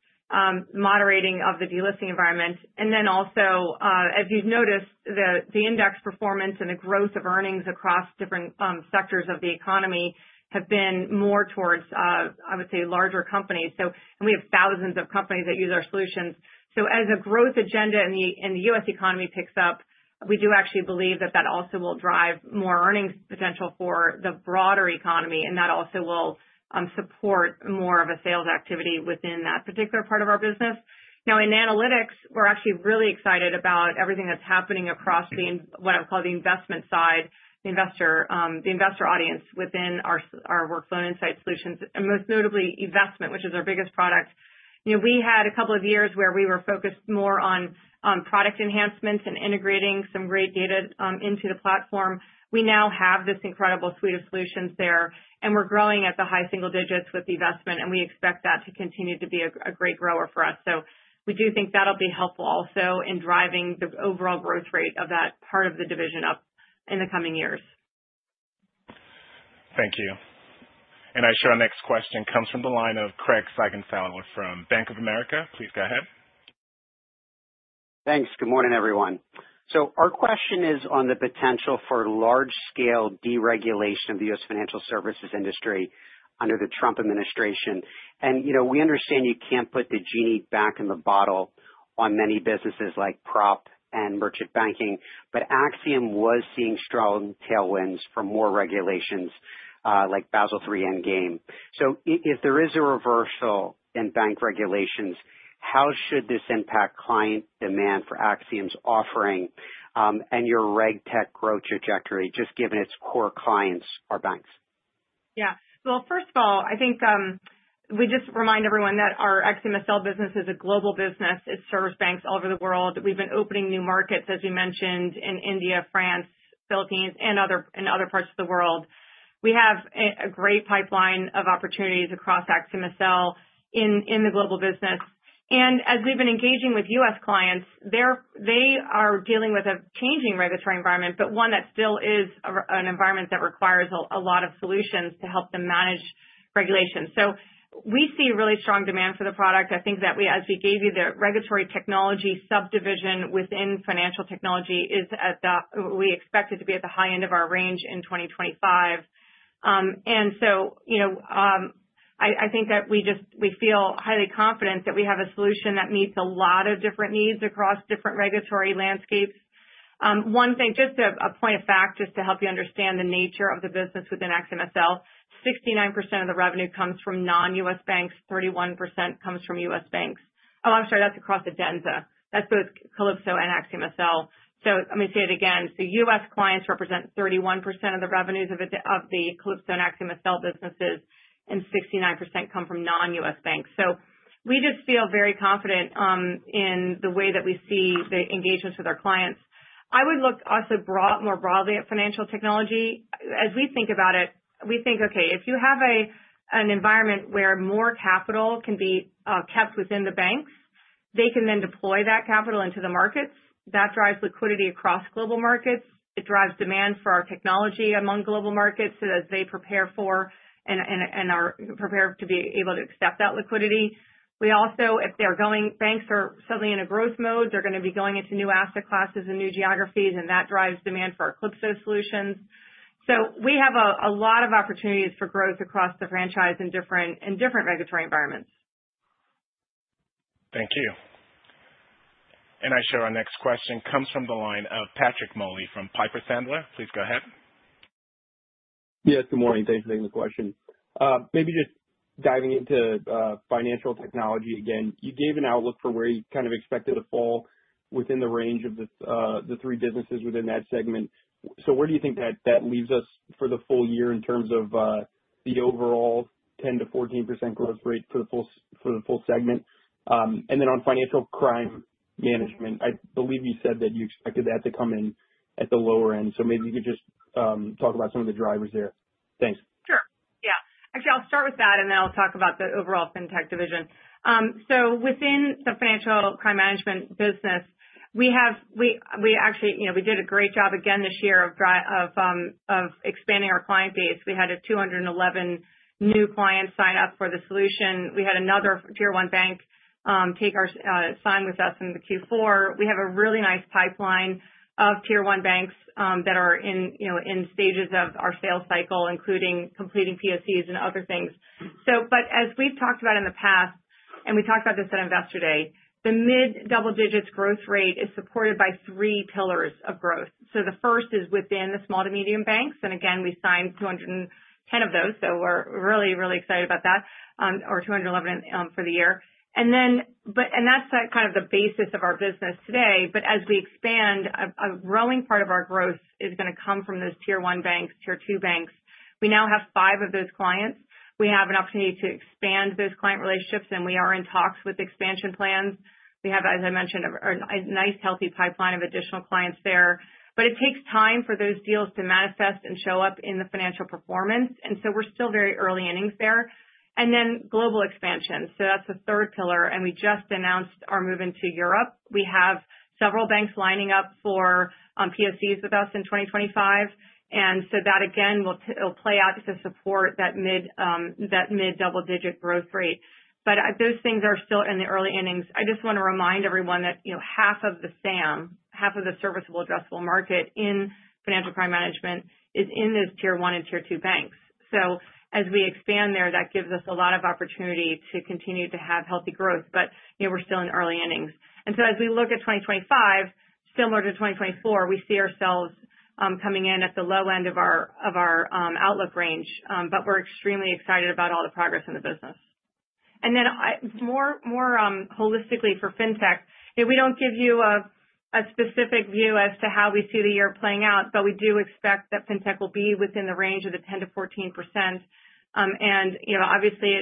moderating of the delisting environment, and then also, as you've noticed, the index performance and the growth of earnings across different sectors of the economy have been more towards, I would say, larger companies. And we have thousands of companies that use our solutions. So as a growth agenda in the U.S. economy picks up, we do actually believe that that also will drive more earnings potential for the broader economy, and that also will support more of a sales activity within that particular part of our business. Now, in analytics, we're actually really excited about everything that's happening across what I would call the investment side, the investor audience within our workflow and insight solutions, and most notably investment, which is our biggest product. We had a couple of years where we were focused more on product enhancements and integrating some great data into the platform. We now have this incredible suite of solutions there, and we're growing at the high single digits with the investment, and we expect that to continue to be a great grower for us. So we do think that'll be helpful also in driving the overall growth rate of that part of the division up in the coming years. Thank you. And our next question comes from the line of Craig Siegenthaler from Bank of America. Please go ahead. Thanks. Good morning, everyone. Our question is on the potential for large-scale deregulation of the U.S. financial services industry under the Trump administration. We understand you can't put the genie back in the bottle on many businesses like prop and merchant banking, but AxiomSL was seeing strong tailwinds for more regulations like Basel III and Endgame. If there is a reversal in bank regulations, how should this impact client demand for AxiomSL's offering and your reg tech growth trajectory, just given its core clients are banks? First of all, I think we just remind everyone that our AxiomSL business is a global business. It serves banks all over the world. We've been opening new markets, as you mentioned, in India, France, Philippines, and other parts of the world. We have a great pipeline of opportunities across AxiomSL in the global business. And as we've been engaging with U.S. clients, they are dealing with a changing regulatory environment, but one that still is an environment that requires a lot of solutions to help them manage regulation. So we see really strong demand for the product. I think that we, as we gave you the regulatory technology subdivision within financial technology, we expect it to be at the high end of our range in 2025. And so I think that we feel highly confident that we have a solution that meets a lot of different needs across different regulatory landscapes. One thing, just a point of fact, just to help you understand the nature of the business within AxiomSL, 69% of the revenue comes from non-U.S. banks, 31% comes from U.S. banks. Oh, I'm sorry, that's across Adenza. That's both Calypso and AxiomSL. So let me say it again. So U.S. clients represent 31% of the revenues of the Calypso and AxiomSL businesses, and 69% come from non-U.S. banks. So we just feel very confident in the way that we see the engagements with our clients. I would look also more broadly at financial technology. As we think about it, we think, okay, if you have an environment where more capital can be kept within the banks, they can then deploy that capital into the markets. That drives liquidity across global markets. It drives demand for our technology among global markets as they prepare for and are prepared to be able to accept that liquidity. We also, if they're going, banks are suddenly in a growth mode, they're going to be going into new asset classes and new geographies, and that drives demand for our Calypso solutions. So we have a lot of opportunities for growth across the franchise in different regulatory environments. Thank you. And our next question comes from the line of Patrick Moley from Piper Sandler. Please go ahead. Yes, good morning. Thanks for taking the question. Maybe just diving into financial technology again, you gave an outlook for where you kind of expected to fall within the range of the three businesses within that segment. So where do you think that leaves us for the full year in terms of the overall 10%-14% growth rate for the full segment? And then on financial crime management, I believe you said that you expected that to come in at the lower end. So maybe you could just talk about some of the drivers there. Thanks. Sure. Actually, I'll start with that, and then I'll talk about the overall fintech division, so within the financial crime management business, we actually did a great job again this year of expanding our client base. We had 211 new clients sign up for the solution. We had another tier one bank sign with us in the Q4. We have a really nice pipeline of tier one banks that are in stages of our sales cycle, including completing POCs and other things, but as we've talked about in the past, and we talked about this at Investor Day, the mid-double digits growth rate is supported by three pillars of growth. So the first is within the small to medium banks, and again, we signed 210 of those, so we're really, really excited about that, or 211 for the year, and that's kind of the basis of our business today. But as we expand, a growing part of our growth is going to come from those tier one banks, tier two banks. We now have five of those clients. We have an opportunity to expand those client relationships, and we are in talks with expansion plans. We have, as I mentioned, a nice healthy pipeline of additional clients there. But it takes time for those deals to manifest and show up in the financial performance. And so we're still very early innings there. And then global expansion. So that's the third pillar. And we just announced our move into Europe. We have several banks lining up for POCs with us in 2025. And so that, again, will play out to support that mid-double digit growth rate. But those things are still in the early innings. I just want to remind everyone that half of the SAM, half of the serviceable addressable market in financial crime management is in those tier one and tier two banks. So as we expand there, that gives us a lot of opportunity to continue to have healthy growth, but we're still in early innings. And then more holistically for fintech, we don't give you a specific view as to how we see the year playing out, but we do expect that fintech will be within the range of the 10%-14%. And obviously,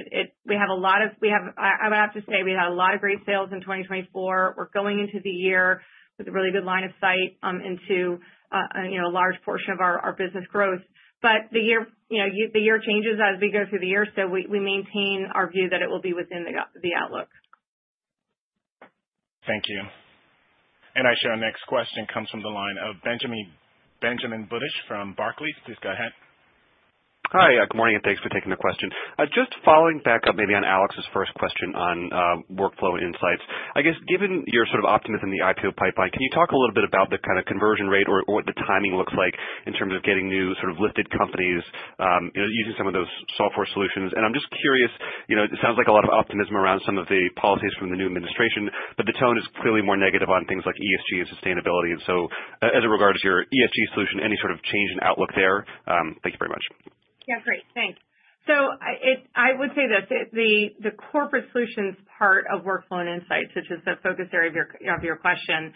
we have a lot of, I would have to say we had a lot of great sales in 2024. We're going into the year with a really good line of sight into a large portion of our business growth. But the year changes as we go through the year, so we maintain our view that it will be within the outlook. Thank you. And our next question comes from the line of Benjamin Budish from Barclays. Please go ahead. Hi, good morning, and thanks for taking the question. Just following back up maybe on Alex's first question on workflow insights, I guess given your sort of optimism in the IPO pipeline, can you talk a little bit about the kind of conversion rate or what the timing looks like in terms of getting new sort of listed companies using some of those software solutions? And I'm just curious, it sounds like a lot of optimism around some of the policies from the new administration, but the tone is clearly more negative on things like ESG and sustainability. And so as it regards your ESG solution, any sort of change in outlook there? Thank you very much. Great. Thanks. So I would say this, the corporate solutions part of Workflow & Insights, which is the focus area of your question,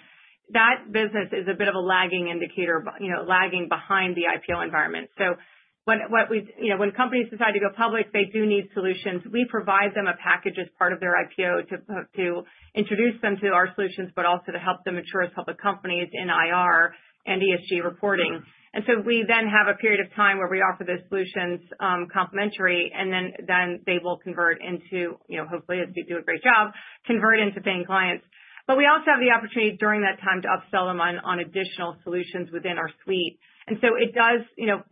that business is a bit of a lagging indicator, lagging behind the IPO environment. So when companies decide to go public, they do need solutions. We provide them a package as part of their IPO to introduce them to our solutions, but also to help them mature as public companies in IR and ESG reporting. And so we then have a period of time where we offer those solutions complimentary, and then they will convert into, hopefully, as we do a great job, convert into paying clients. But we also have the opportunity during that time to upsell them on additional solutions within our suite. And so it does.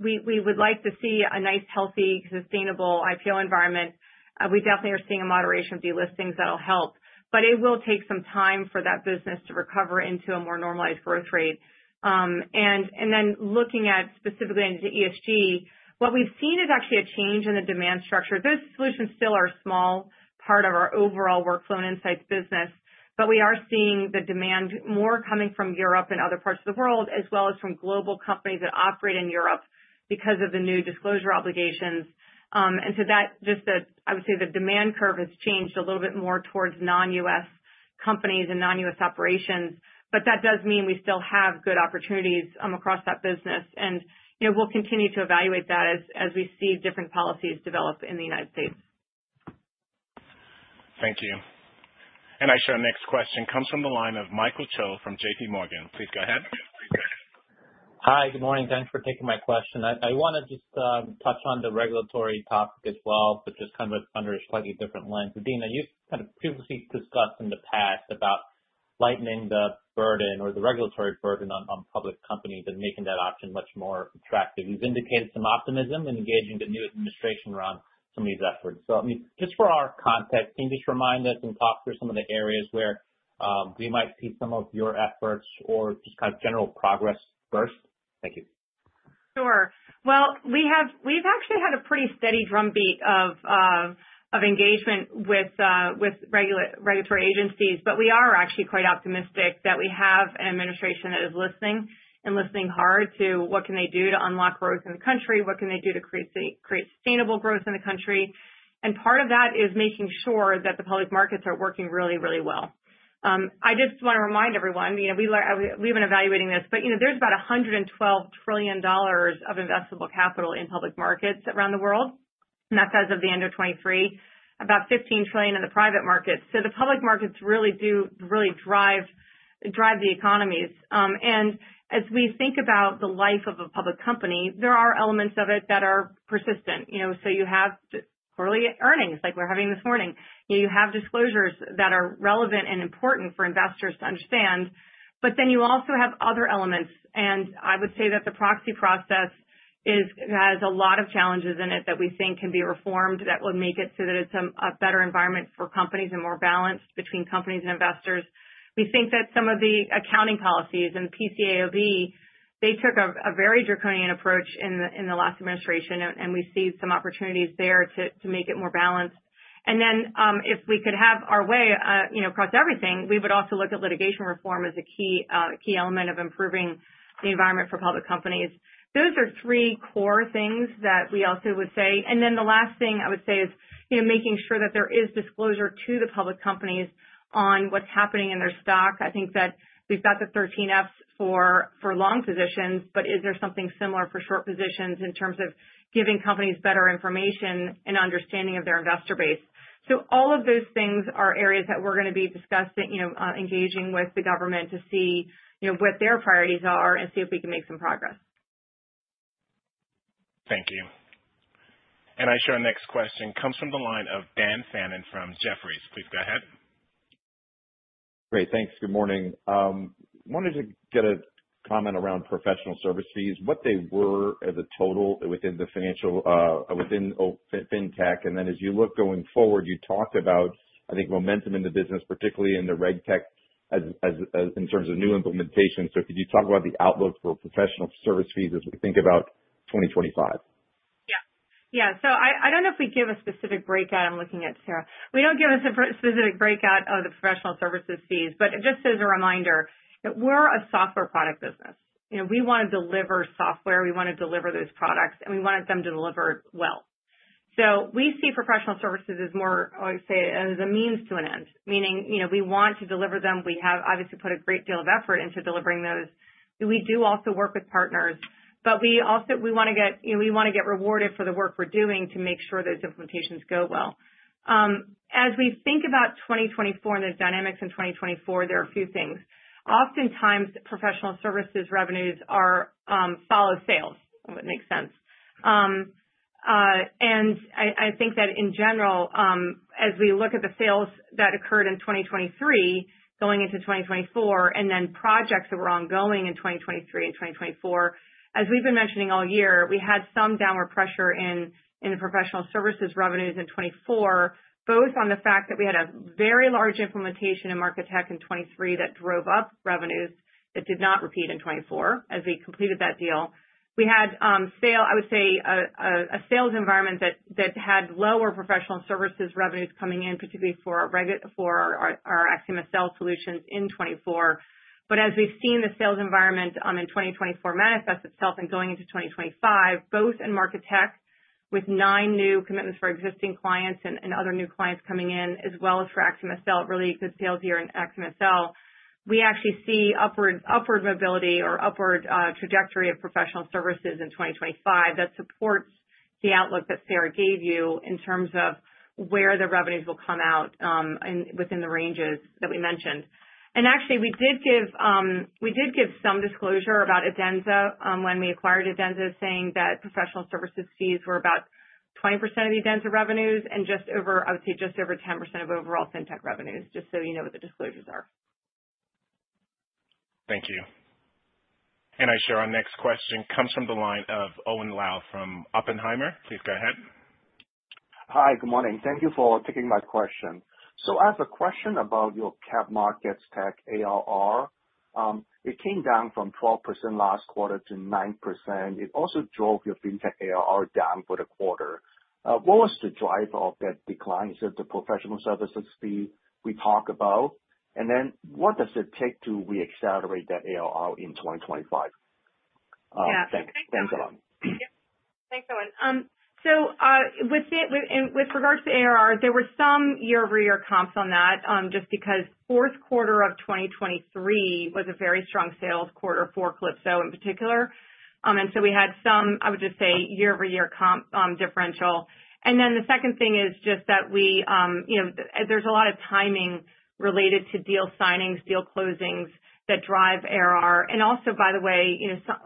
We would like to see a nice, healthy, sustainable IPO environment. We definitely are seeing a moderation of delistings that'll help, but it will take some time for that business to recover into a more normalized growth rate. And then looking at specifically into ESG, what we've seen is actually a change in the demand structure. Those solutions still are a small part of our overall workflow and insights business, but we are seeing the demand more coming from Europe and other parts of the world, as well as from global companies that operate in Europe because of the new disclosure obligations. And so that, just I would say the demand curve has changed a little bit more towards non-U.S. companies and non-U.S. operations, but that does mean we still have good opportunities across that business. And we'll continue to evaluate that as we see different policies develop in the United States. Thank you. And our next question comes from the line of Michael Cho from J.P. Morgan. Please go ahead. Hi, good morning. Thanks for taking my question. I want to just touch on the regulatory topic as well, but just kind of under a slightly different lens. Adena, you've kind of previously discussed in the past about lightening the burden or the regulatory burden on public companies and making that option much more attractive. You've indicated some optimism in engaging the new administration around some of these efforts. So just for our context, can you just remind us and talk through some of the areas where we might see some of your efforts or just kind of general progress first? Thank you. Sure. Well, we've actually had a pretty steady drumbeat of engagement with regulatory agencies, but we are actually quite optimistic that we have an administration that is listening and listening hard to what can they do to unlock growth in the country, what can they do to create sustainable growth in the country, and part of that is making sure that the public markets are working really, really well. I just want to remind everyone, we've been evaluating this, but there's about $112 trillion of investable capital in public markets around the world. And that's as of the end of 2023, about $15 trillion in the private markets. So the public markets really drive the economies. And as we think about the life of a public company, there are elements of it that are persistent. So you have quarterly earnings, like we're having this morning. You have disclosures that are relevant and important for investors to understand. But then you also have other elements. And I would say that the proxy process has a lot of challenges in it that we think can be reformed that would make it so that it's a better environment for companies and more balanced between companies and investors. We think that some of the accounting policies and the PCAOB, they took a very draconian approach in the last administration, and we see some opportunities there to make it more balanced, and then if we could have our way across everything, we would also look at litigation reform as a key element of improving the environment for public companies. Those are three core things that we also would say, and then the last thing I would say is making sure that there is disclosure to the public companies on what's happening in their stock. I think that we've got the 13Fs for long positions, but is there something similar for short positions in terms of giving companies better information and understanding of their investor base? So all of those things are areas that we're going to be discussing, engaging with the government to see what their priorities are and see if we can make some progress. Thank you. And our next question comes from the line of Dan Fannon from Jefferies. Please go ahead. Great. Thanks. Good morning. Wanted to get a comment around professional services, what they were as a total within the fintech. And then as you look going forward, you talked about, I think, momentum in the business, particularly in the reg tech in terms of new implementation. So could you talk about the outlook for professional service fees as we think about 2025? So I don't know if we give a specific breakout. I'm looking at Sarah. We don't give a specific breakout of the professional services fees, but just as a reminder, we're a software product business. We want to deliver software. We want to deliver those products, and we want them to deliver well. So we see professional services as more, I would say, as a means to an end, meaning we want to deliver them. We have obviously put a great deal of effort into delivering those. We do also work with partners, but we want to get rewarded for the work we're doing to make sure those implementations go well. As we think about 2024 and the dynamics in 2024, there are a few things. Oftentimes, professional services revenues follow sales, if it makes sense. I think that in general, as we look at the sales that occurred in 2023 going into 2024, and then projects that were ongoing in 2023 and 2024, as we've been mentioning all year, we had some downward pressure in the professional services revenues in 2024, both on the fact that we had a very large implementation in market tech in 2023 that drove up revenues that did not repeat in 2024 as we completed that deal. We had, I would say, a sales environment that had lower professional services revenues coming in, particularly for our AxiomSL solutions in 2024. But as we've seen the sales environment in 2024 manifest itself and going into 2025, both in market tech with nine new commitments for existing clients and other new clients coming in, as well as for AxiomSL, really good sales year in AxiomSL, we actually see upward mobility or upward trajectory of professional services in 2025 that supports the outlook that Sarah gave you in terms of where the revenues will come out within the ranges that we mentioned. And actually, we did give some disclosure about Adenza when we acquired Adenza, saying that professional services fees were about 20% of the Adenza revenues and, I would say, just over 10% of overall fintech revenues, just so you know what the disclosures are. Thank you. And our next question comes from the line of Owen Lau from Oppenheimer. Please go ahead. Hi, good morning. Thank you for taking my question, so I have a question about your cap markets tech ARR. It came down from 12% last quarter to 9%. It also drove your fintech ARR down for the quarter. What was the driver of that decline? Is it the professional services fee we talked about? And then what does it take to reaccelerate that ARR in 2025? Thanks, Ellen. Thanks, Owen, so with regards to ARR, there were some year-over-year comps on that just because Q4 of 2023 was a very strong sales quarter for Calypso, in particular. And so we had some, I would just say, year-over-year comp differential. And then the second thing is just that there's a lot of timing related to deal signings, deal closings that drive ARR. Also, by the way,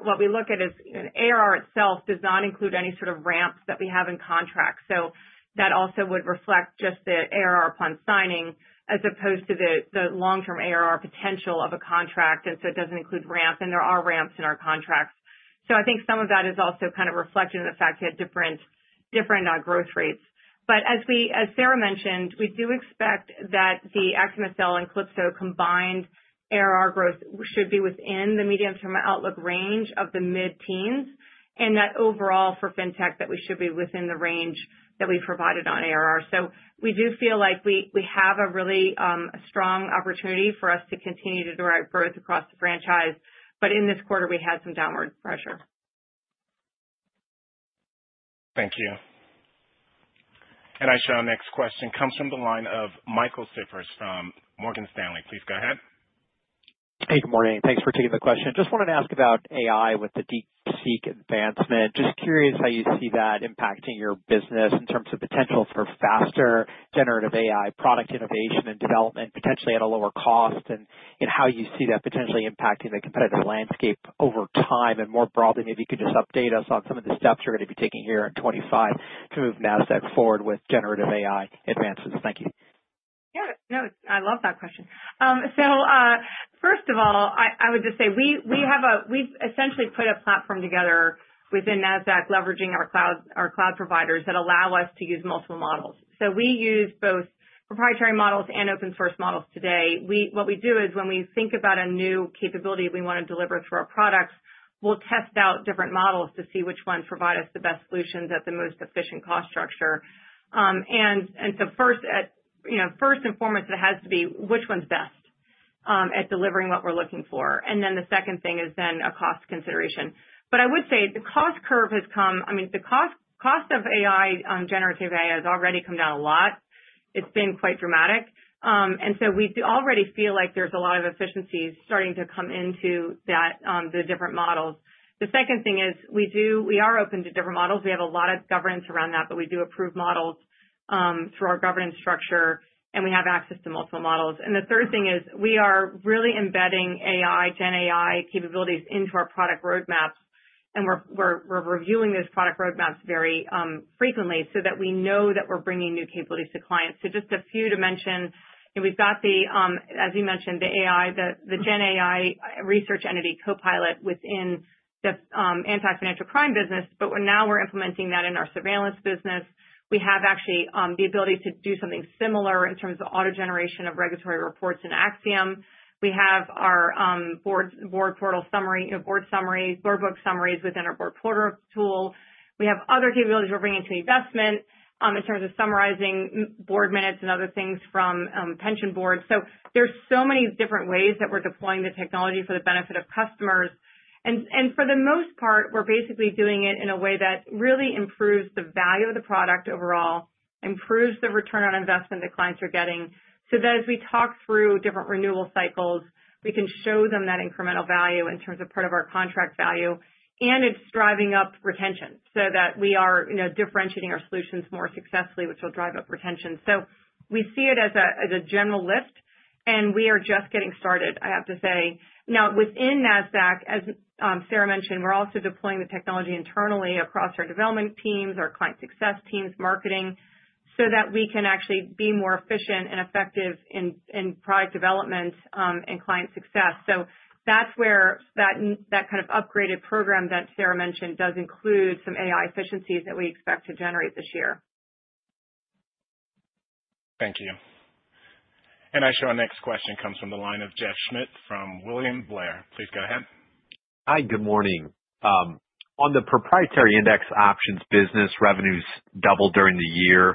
what we look at is ARR itself does not include any sort of ramps that we have in contracts. So that also would reflect just the ARR upon signing as opposed to the long-term ARR potential of a contract. And so it doesn't include ramps, and there are ramps in our contracts. So I think some of that is also kind of reflected in the fact we had different growth rates. But as Sarah mentioned, we do expect that the AxiomSL and Calypso combined ARR growth should be within the medium-term outlook range of the mid-teens, and that overall for fintech, that we should be within the range that we provided on ARR. So we do feel like we have a really strong opportunity for us to continue to direct growth across the franchise, but in this quarter, we had some downward pressure. Thank you. Our next question comes from the line of Michael Cyprys from Morgan Stanley. Please go ahead. Hey, good morning. Thanks for taking the question. Just wanted to ask about AI with the DeepSeek advancement. Just curious how you see that impacting your business in terms of potential for faster generative AI product innovation and development, potentially at a lower cost, and how you see that potentially impacting the competitive landscape over time. And more broadly, maybe you could just update us on some of the steps you're going to be taking here in 2025 to move Nasdaq forward with generative AI advancements. Thank you. No, I love that question. So first of all, I would just say we've essentially put a platform together within Nasdaq, leveraging our cloud providers that allow us to use multiple models. So we use both proprietary models and open-source models today. What we do is when we think about a new capability we want to deliver through our products, we'll test out different models to see which ones provide us the best solutions at the most efficient cost structure, and so first and foremost, it has to be which one's best at delivering what we're looking for, and then the second thing is then a cost consideration, but I would say the cost curve has come, I mean, the cost of generative AI has already come down a lot. It's been quite dramatic, and so we already feel like there's a lot of efficiencies starting to come into the different models. The second thing is we are open to different models. We have a lot of governance around that, but we do approve models through our governance structure, and we have access to multiple models. And the third thing is we are really embedding AI, GenAI capabilities into our product roadmaps, and we're reviewing those product roadmaps very frequently so that we know that we're bringing new capabilities to clients. So just a few to mention, we've got, as you mentioned, the GenAI Entity Research Copilot within the anti-financial crime business, but now we're implementing that in our surveillance business. We have actually the ability to do something similar in terms of auto-generation of regulatory reports in AxiomSL. We have our board portal summary, board book summaries within our board portal tool. We have other capabilities we're bringing to investment in terms of summarizing board minutes and other things from pension boards. So there's so many different ways that we're deploying the technology for the benefit of customers. For the most part, we're basically doing it in a way that really improves the value of the product overall, improves the return on investment that clients are getting, so that as we talk through different renewal cycles, we can show them that incremental value in terms of part of our contract value, and it's driving up retention so that we are differentiating our solutions more successfully, which will drive up retention. So we see it as a general lift, and we are just getting started, I have to say. Now, within Nasdaq, as Sarah mentioned, we're also deploying the technology internally across our development teams, our client success teams, marketing, so that we can actually be more efficient and effective in product development and client success. So that's where that kind of upgraded program that Sarah mentioned does include some AI efficiencies that we expect to generate this year. Thank you. And our next question comes from the line of Jeff Schmitt from William Blair. Please go ahead. Hi, good morning. On the proprietary index options business, revenues doubled during the year.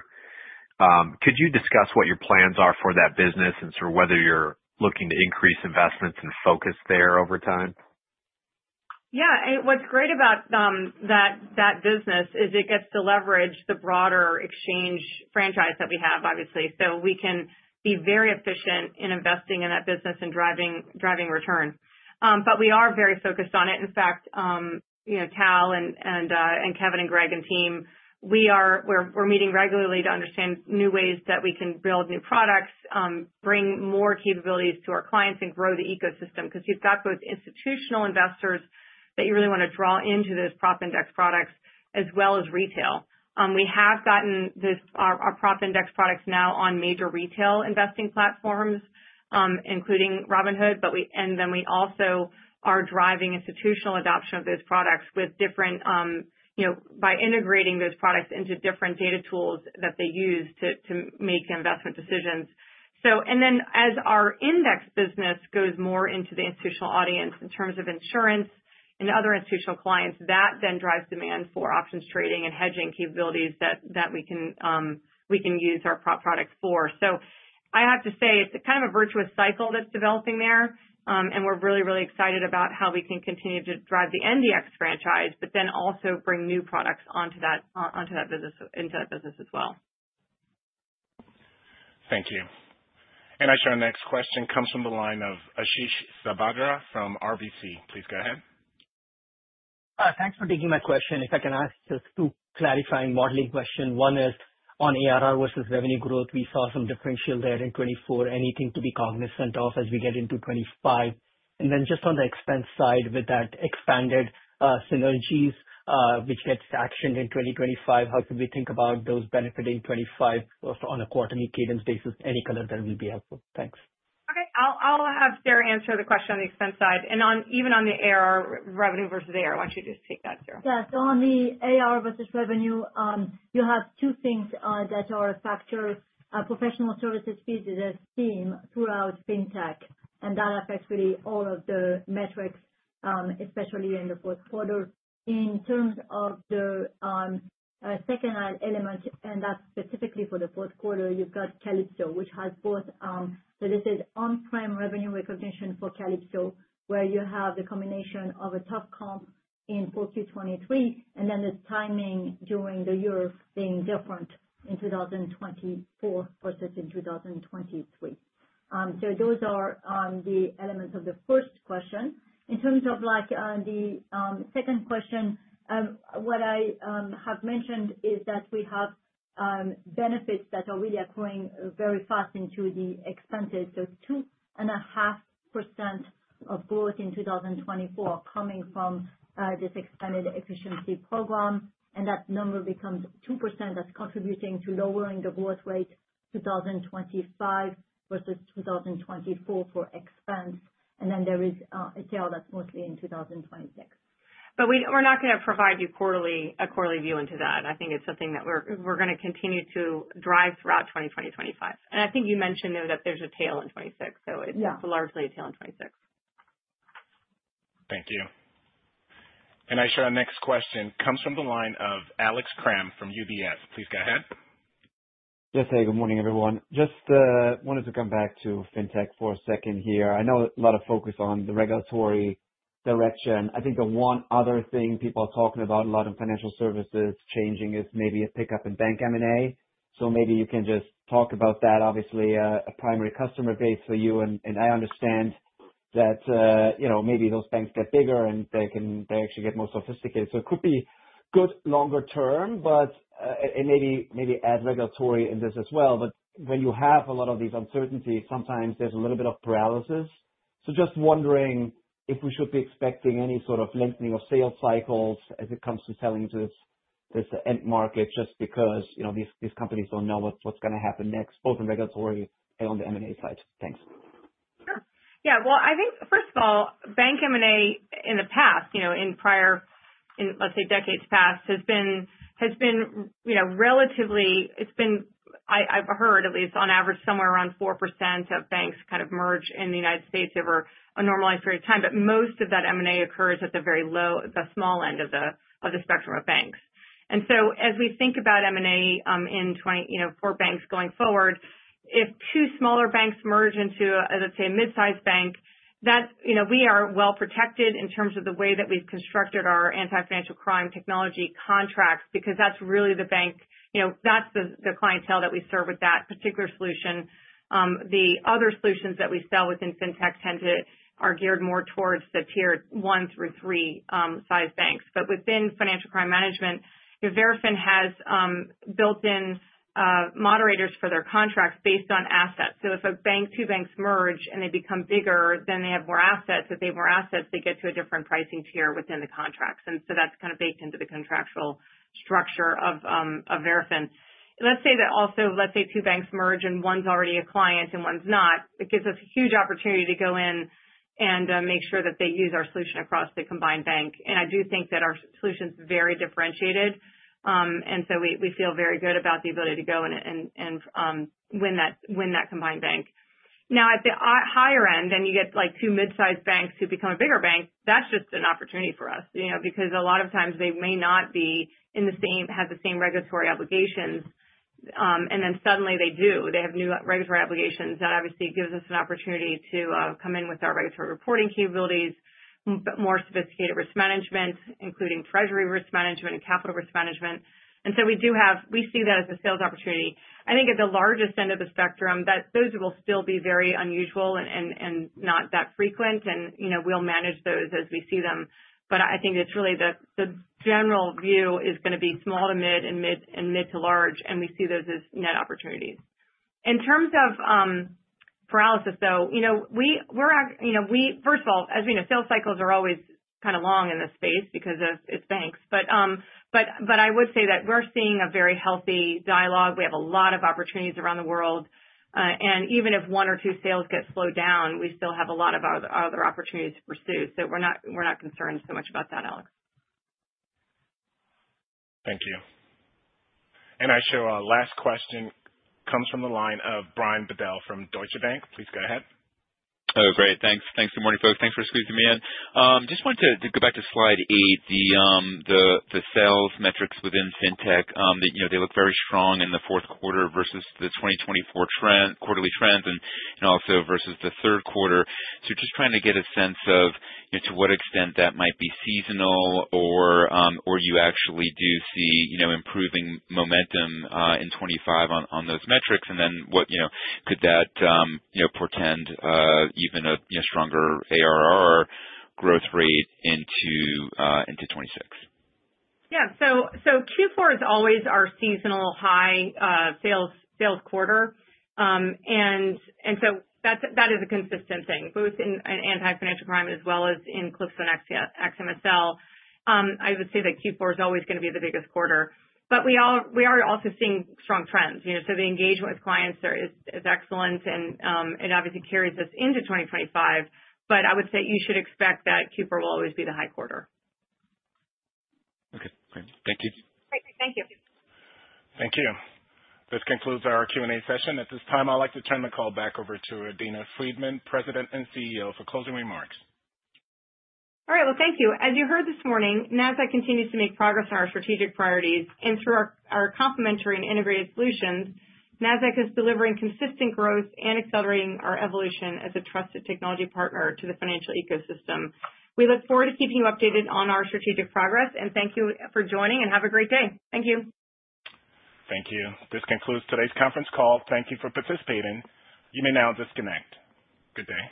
Could you discuss what your plans are for that business and sort of whether you're looking to increase investments and focus there over time? What's great about that business is it gets to leverage the broader exchange franchise that we have, obviously, so we can be very efficient in investing in that business and driving return. But we are very focused on it. In fact, Tal and Kevin and Greg and team, we're meeting regularly to understand new ways that we can build new products, bring more capabilities to our clients, and grow the ecosystem because you've got both institutional investors that you really want to draw into those prop index products as well as retail. We have gotten our prop index products now on major retail investing platforms, including Robinhood, and then we also are driving institutional adoption of those products by integrating those products into different data tools that they use to make investment decisions, and then as our index business goes more into the institutional audience in terms of insurance and other institutional clients, that then drives demand for options trading and hedging capabilities that we can use our prop products for. So I have to say it's kind of a virtuous cycle that's developing there, and we're really, really excited about how we can continue to drive the NDX franchise, but then also bring new products onto that business as well. Thank you. And our next question comes from the line of Ashish Sabadra from RBC. Please go ahead. Thanks for taking my question. If I can ask just two clarifying modeling questions. One is on ARR versus revenue growth. We saw some differential there in 2024. Anything to be cognizant of as we get into 2025? And then just on the expense side with that expanded synergies, which gets actioned in 2025, how could we think about those benefiting 2025 on a quarterly cadence basis? Any color there will be helpful. Thanks. Okay. I'll have Sarah answer the question on the expense side. And even on the ARR revenue versus ARR, why don't you just take that, Sarah? So on the ARR versus revenue, you have two things that are a factor: professional services fees as a theme throughout fintech, and that affects really all of the metrics, especially in the Q4. In terms of the second element, and that's specifically for the Q4, you've got Calypso, which has both. So this is on-prem revenue recognition for Calypso, where you have the combination of a tough comp in 4Q23, and then the timing during the year being different in 2024 versus in 2023. So those are the elements of the first question. In terms of the second question, what I have mentioned is that we have benefits that are really occurring very fast into the expenses. So, 2.5% of growth in 2024 coming from this expanded efficiency program, and that number becomes 2%. That's contributing to lowering the growth rate 2025 versus 2024 for expense. And then there is a tail that's mostly in 2026. But we're not going to provide you a quarterly view into that. I think it's something that we're going to continue to drive throughout 2025. And I think you mentioned, though, that there's a tail in 2026, so it's largely a tail in 2026. Thank you. And our next question comes from the line of Alex Kramm from UBS. Please go ahead. Yes, hey, good morning, everyone. Just wanted to come back to fintech for a second here. I know a lot of focus on the regulatory direction. I think the one other thing people are talking about a lot in financial services changing is maybe a pickup in bank M&A. So maybe you can just talk about that. Obviously, a primary customer base for you, and I understand that maybe those banks get bigger and they actually get more sophisticated. So it could be good longer term, but maybe add regulatory in this as well. But when you have a lot of these uncertainties, sometimes there's a little bit of paralysis. So just wondering if we should be expecting any sort of lengthening of sales cycles as it comes to selling to this end market just because these companies don't know what's going to happen next, both in regulatory and on the M&A side. Thanks. I think, first of all, bank M&A in the past, in prior, let's say, decades past, has been relatively, I've heard, at least on average, somewhere around 4% of banks kind of merge in the United States over a normalized period of time. But most of that M&A occurs at the very low, the small end of the spectrum of banks. And so as we think about M&A for banks going forward, if two smaller banks merge into, let's say, a mid-sized bank, we are well protected in terms of the way that we've constructed our anti-financial crime technology contracts because that's really the bank, that's the clientele that we serve with that particular solution. The other solutions that we sell within fintech are geared more towards the tier one through three size banks. But within financial crime management, Verafin has built-in moderators for their contracts based on assets. So if two banks merge and they become bigger, then they have more assets. If they have more assets, they get to a different pricing tier within the contracts. And so that's kind of baked into the contractual structure of Verafin. Let's say that also, let's say two banks merge and one's already a client and one's not. It gives us a huge opportunity to go in and make sure that they use our solution across the combined bank. And I do think that our solution's very differentiated, and so we feel very good about the ability to go and win that combined bank. Now, at the higher end, then you get two mid-sized banks who become a bigger bank. That's just an opportunity for us because a lot of times they may not have the same regulatory obligations, and then suddenly they do. They have new regulatory obligations. That obviously gives us an opportunity to come in with our regulatory reporting capabilities, more sophisticated risk management, including treasury risk management and capital risk management. And so we see that as a sales opportunity. I think at the largest end of the spectrum, those will still be very unusual and not that frequent, and we'll manage those as we see them. But I think it's really the general view is going to be small to mid and mid to large, and we see those as net opportunities. In terms of analysis, though, we're, first of all, as we know, sales cycles are always kind of long in this space because it's banks. But I would say that we're seeing a very healthy dialogue. We have a lot of opportunities around the world. And even if one or two sales get slowed down, we still have a lot of other opportunities to pursue. So we're not concerned so much about that, Alex. Thank you. And our last question comes from the line of Brian Bedell from Deutsche Bank. Please go ahead. Oh, great. Thanks. Thanks for the morning, folks. Thanks for squeezing me in. Just wanted to go back to Slide 8, the sales metrics within fintech. They look very strong in the Q4 versus the 2024 quarterly trends and also versus the Q3. So just trying to get a sense of to what extent that might be seasonal or you actually do see improving momentum in 2025 on those metrics. And then could that portend even a stronger ARR growth rate into 2026? So Q4 is always our seasonal high sales quarter. That is a consistent thing, both in anti-financial crime as well as in AxiomSL. I would say that Q4 is always going to be the biggest quarter. But we are also seeing strong trends. So the engagement with clients is excellent, and it obviously carries us into 2025. But I would say you should expect that Q4 will always be the high quarter. Okay. Great. Thank you. Thank you. Thank you. This concludes our Q&A session. At this time, I'd like to turn the call back over to Adena Friedman, President and CEO, for closing remarks. All right. Well, thank you. As you heard this morning, Nasdaq continues to make progress on our strategic priorities. And through our complementary and integrated solutions, Nasdaq is delivering consistent growth and accelerating our evolution as a trusted technology partner to the financial ecosystem. We look forward to keeping you updated on our strategic progress, and thank you for joining, and have a great day. Thank you. Thank you. This concludes today's conference call. Thank you for participating. You may now disconnect. Good day.